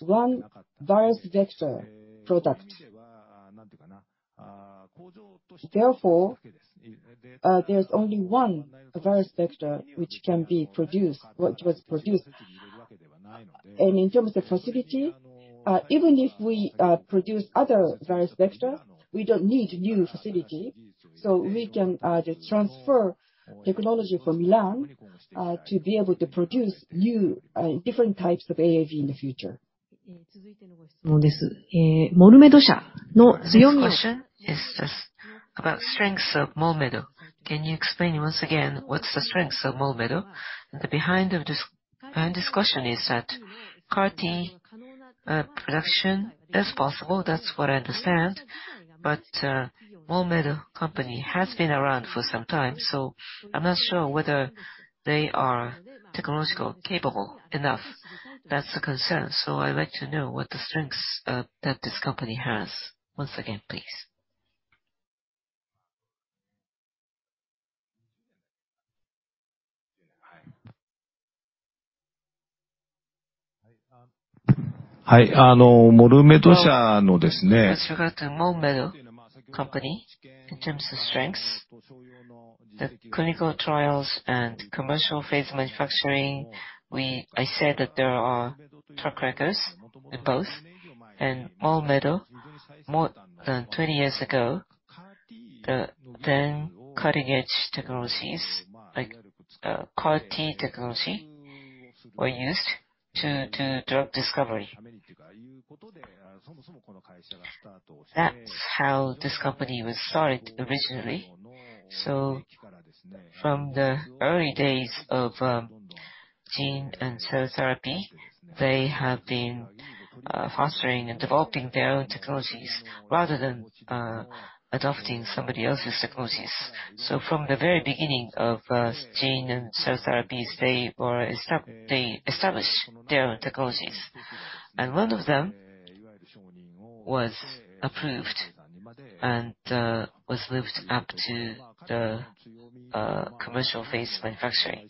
one virus vector product. Therefore, there's only one virus vector which can be produced, which was produced. In terms of facility, even if we produce other virus vector, we don't need new facility, so we can transfer technology from Milan to be able to produce new different types of AAV in the future. This question is just about strengths of MolMed. Can you explain once again what's the strengths of MolMed? The background of this discussion is that CAR T production is possible. That's what I understand. MolMed company has been around for some time, so I'm not sure whether they are technologically capable enough. That's the concern. I'd like to know what the strengths that this company has. Once again, please. With regard to MolMed company, in terms of strengths, the clinical trials and commercial phase manufacturing, I said that there are track records in both. MolMed, more than 20 years ago, the then cutting-edge technologies like CAR T technology were used to drug discovery. That's how this company was started originally. From the early days of gene and cell therapy, they have been fostering and developing their own technologies rather than adopting somebody else's technologies. From the very beginning of gene and cell therapies, they established their own technologies. One of them was approved and was moved up to the commercial phase manufacturing.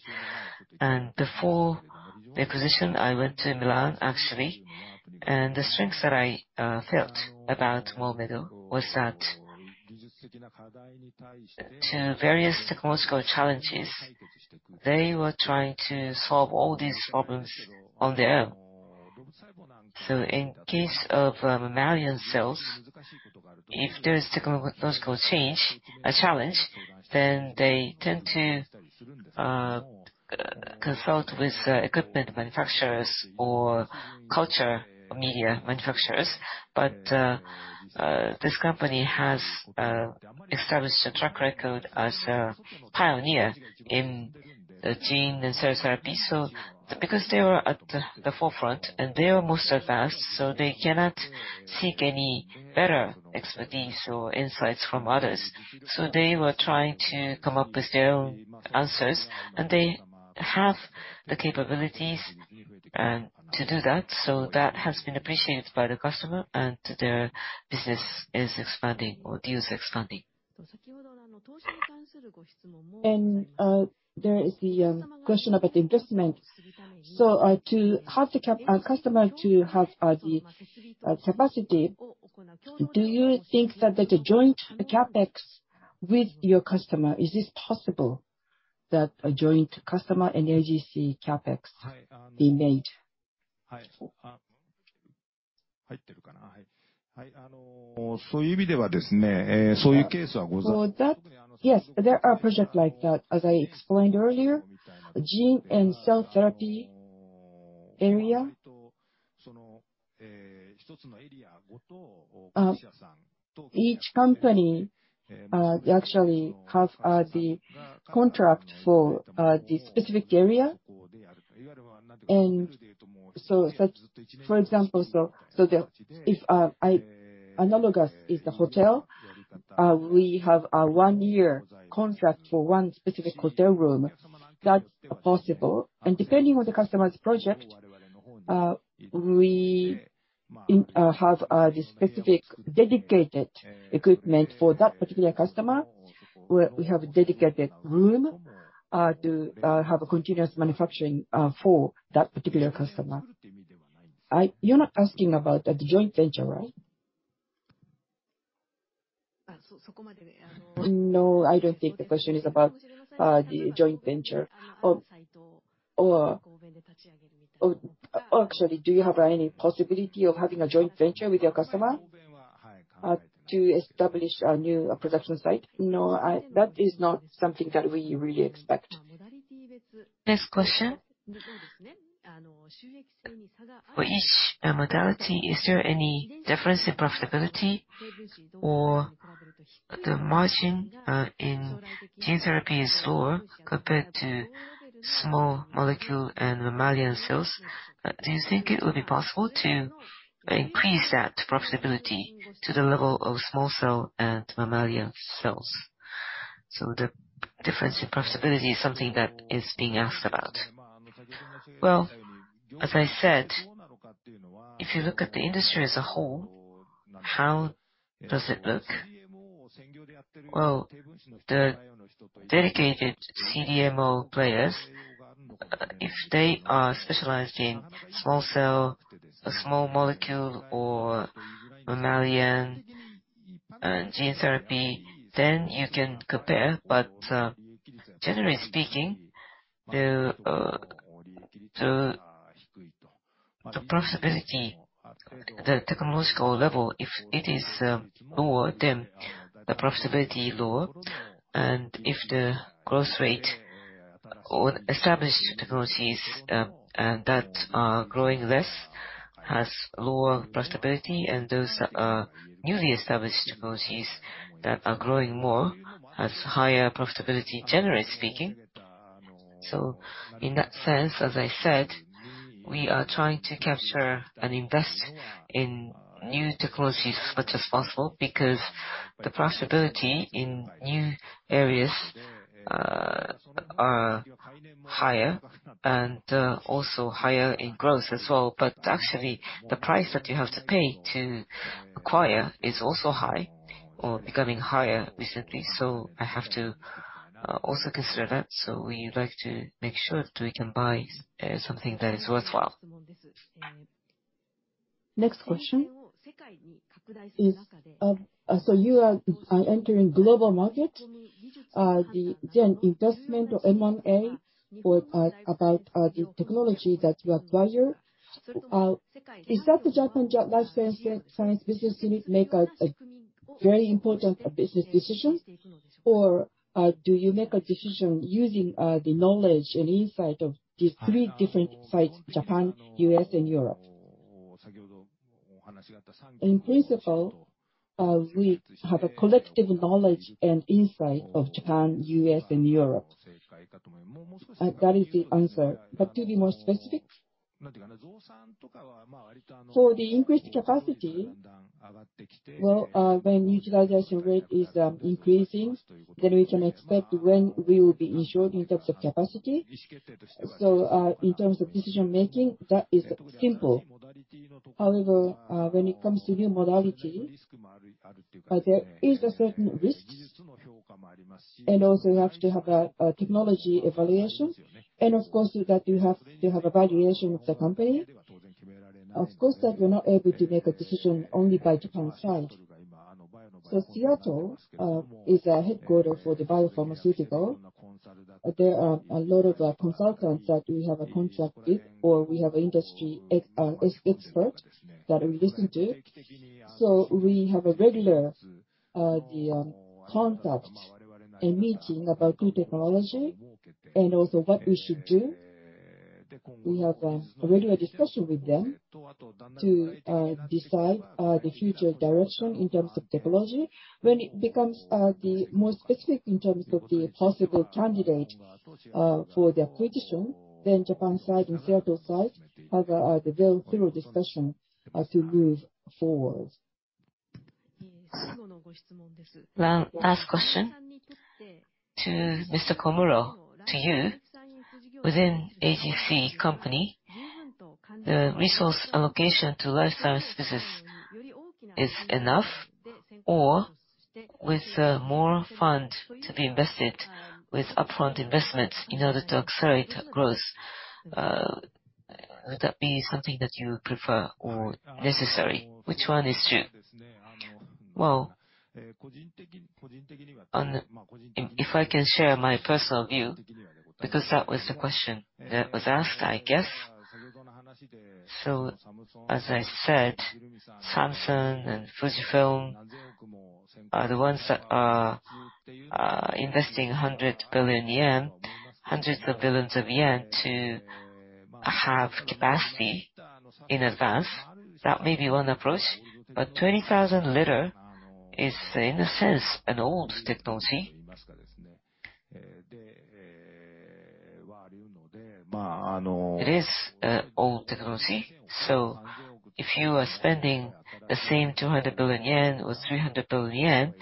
Before the acquisition, I went to Milan actually, and the strengths that I felt about MolMed was that to various technological challenges, they were trying to solve all these problems on their own. In case of mammalian cells, if there is technological change, a challenge, then they tend to consult with the equipment manufacturers or culture media manufacturers. This company has established a track record as a pioneer in the gene and cell therapy. Because they were at the forefront, and they are most advanced, so they cannot seek any better expertise or insights from others. They were trying to come up with their own answers, and they have the capabilities and to do that. That has been appreciated by the customer, and their business is expanding or deal is expanding. There is the question about investment. To have the customer to have the capacity, do you think that a joint CapEx with your customer is this possible, that a joint customer and AGC CapEx be made? For that, yes, there are projects like that. As I explained earlier, gene and cell therapy area, each company they actually have the contract for the specific area. For example, if I analogize to the hotel, we have a one year contract for one specific hotel room. That's possible. Depending on the customer's project, we have the specific dedicated equipment for that particular customer, where we have a dedicated room to have continuous manufacturing for that particular customer. You're not asking about a joint venture, right? No, I don't think the question is about the joint venture. Or actually, do you have any possibility of having a joint venture with your customer to establish a new production site? No, that is not something that we really expect. Next question. For each modality, is there any difference in profitability or the margin in gene therapy is lower compared to small molecule and mammalian cells? Do you think it would be possible to increase that profitability to the level of small molecule and mammalian cells? The difference in profitability is something that is being asked about. Well, as I said, if you look at the industry as a whole, how does it look? Well, the dedicated CDMO players, if they are specialized in small molecule, or mammalian, gene therapy, then you can compare. Generally speaking, the profitability, the technological level, if it is lower, then the profitability lower. If the growth rate or established technologies and that are growing less, has lower profitability, and those that are newly established technologies that are growing more, has higher profitability, generally speaking. In that sense, as I said, we are trying to capture and invest in new technologies as much as possible because the profitability in new areas are higher and also higher in growth as well. Actually, the price that you have to pay to acquire is also high or becoming higher recently. I have to also consider that. We like to make sure that we can buy something that is worthwhile. Next question is, you are entering global market. The investment or M&A or about the technology that you acquire, is that the Japan Life Science Business unit make a very important business decision? Or do you make a decision using the knowledge and insight of these three different sites, Japan, U.S., and Europe? In principle, we have a collective knowledge and insight of Japan, U.S., and Europe. That is the answer. To be more specific, for the increased capacity, when utilization rate is increasing, then we can expect when we will be ensured in terms of capacity. In terms of decision-making, that is simple. When it comes to new modality, there is a certain risk. Also you have to have a technology evaluation. Of course, that you have evaluation of the company. Of course, that we're not able to make a decision only by Japan side. Seattle is a headquarters for the biopharmaceutical. There are a lot of consultants that we have a contract with or we have industry experts that we listen to. We have a regular contact and meeting about new technology and also what we should do. We have a regular discussion with them to decide the future direction in terms of technology. When it becomes more specific in terms of the possible candidate for the acquisition, then Japan side and Seattle side have a very thorough discussion to move forward. Well, last question. To Mr. Komuro, to you. Within AGC company, the resource allocation to life science business is enough or with more fund to be invested with upfront investments in order to accelerate growth, would that be something that you prefer or necessary? Which one is true? Well, if I can share my personal view, because that was the question that was asked, I guess. As I said, Samsung and Fujifilm are the ones that are investing 100 billion yen, hundreds of billions of JPY to have capacity in advance. That may be one approach. A 20,000-liter is in a sense, an old technology. It is old technology, so if you are spending the same 200 billion yen or 300 billion yen,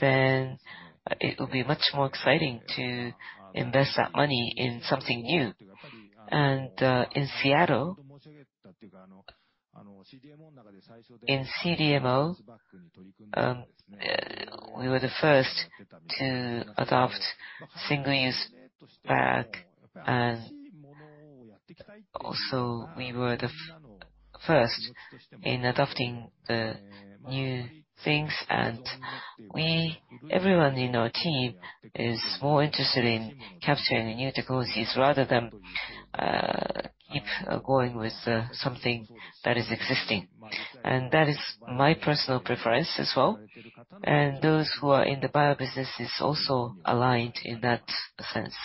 then it will be much more exciting to invest that money in something new. In Seattle, in CDMO, we were the first to adopt single-use bag. We were the first in adopting the new things. Everyone in our team is more interested in capturing new technologies rather than keep going with something that is existing. That is my personal preference as well. Those who are in the biobusiness is also aligned in that sense.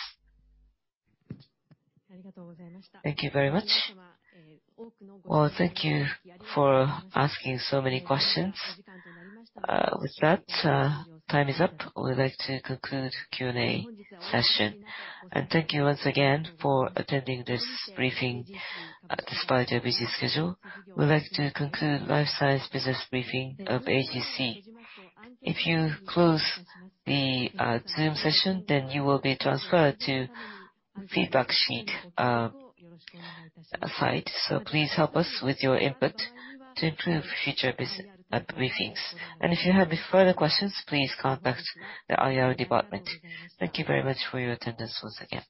Thank you very much. Well, thank you for asking so many questions. With that, time is up. We'd like to conclude Q&A session. Thank you once again for attending this briefing, despite your busy schedule. We'd like to conclude life science business briefing of AGC. If you close the Zoom session, then you will be transferred to feedback sheet site. So please help us with your input to improve future briefings. If you have further questions, please contact the IR department. Thank you very much for your attendance once again.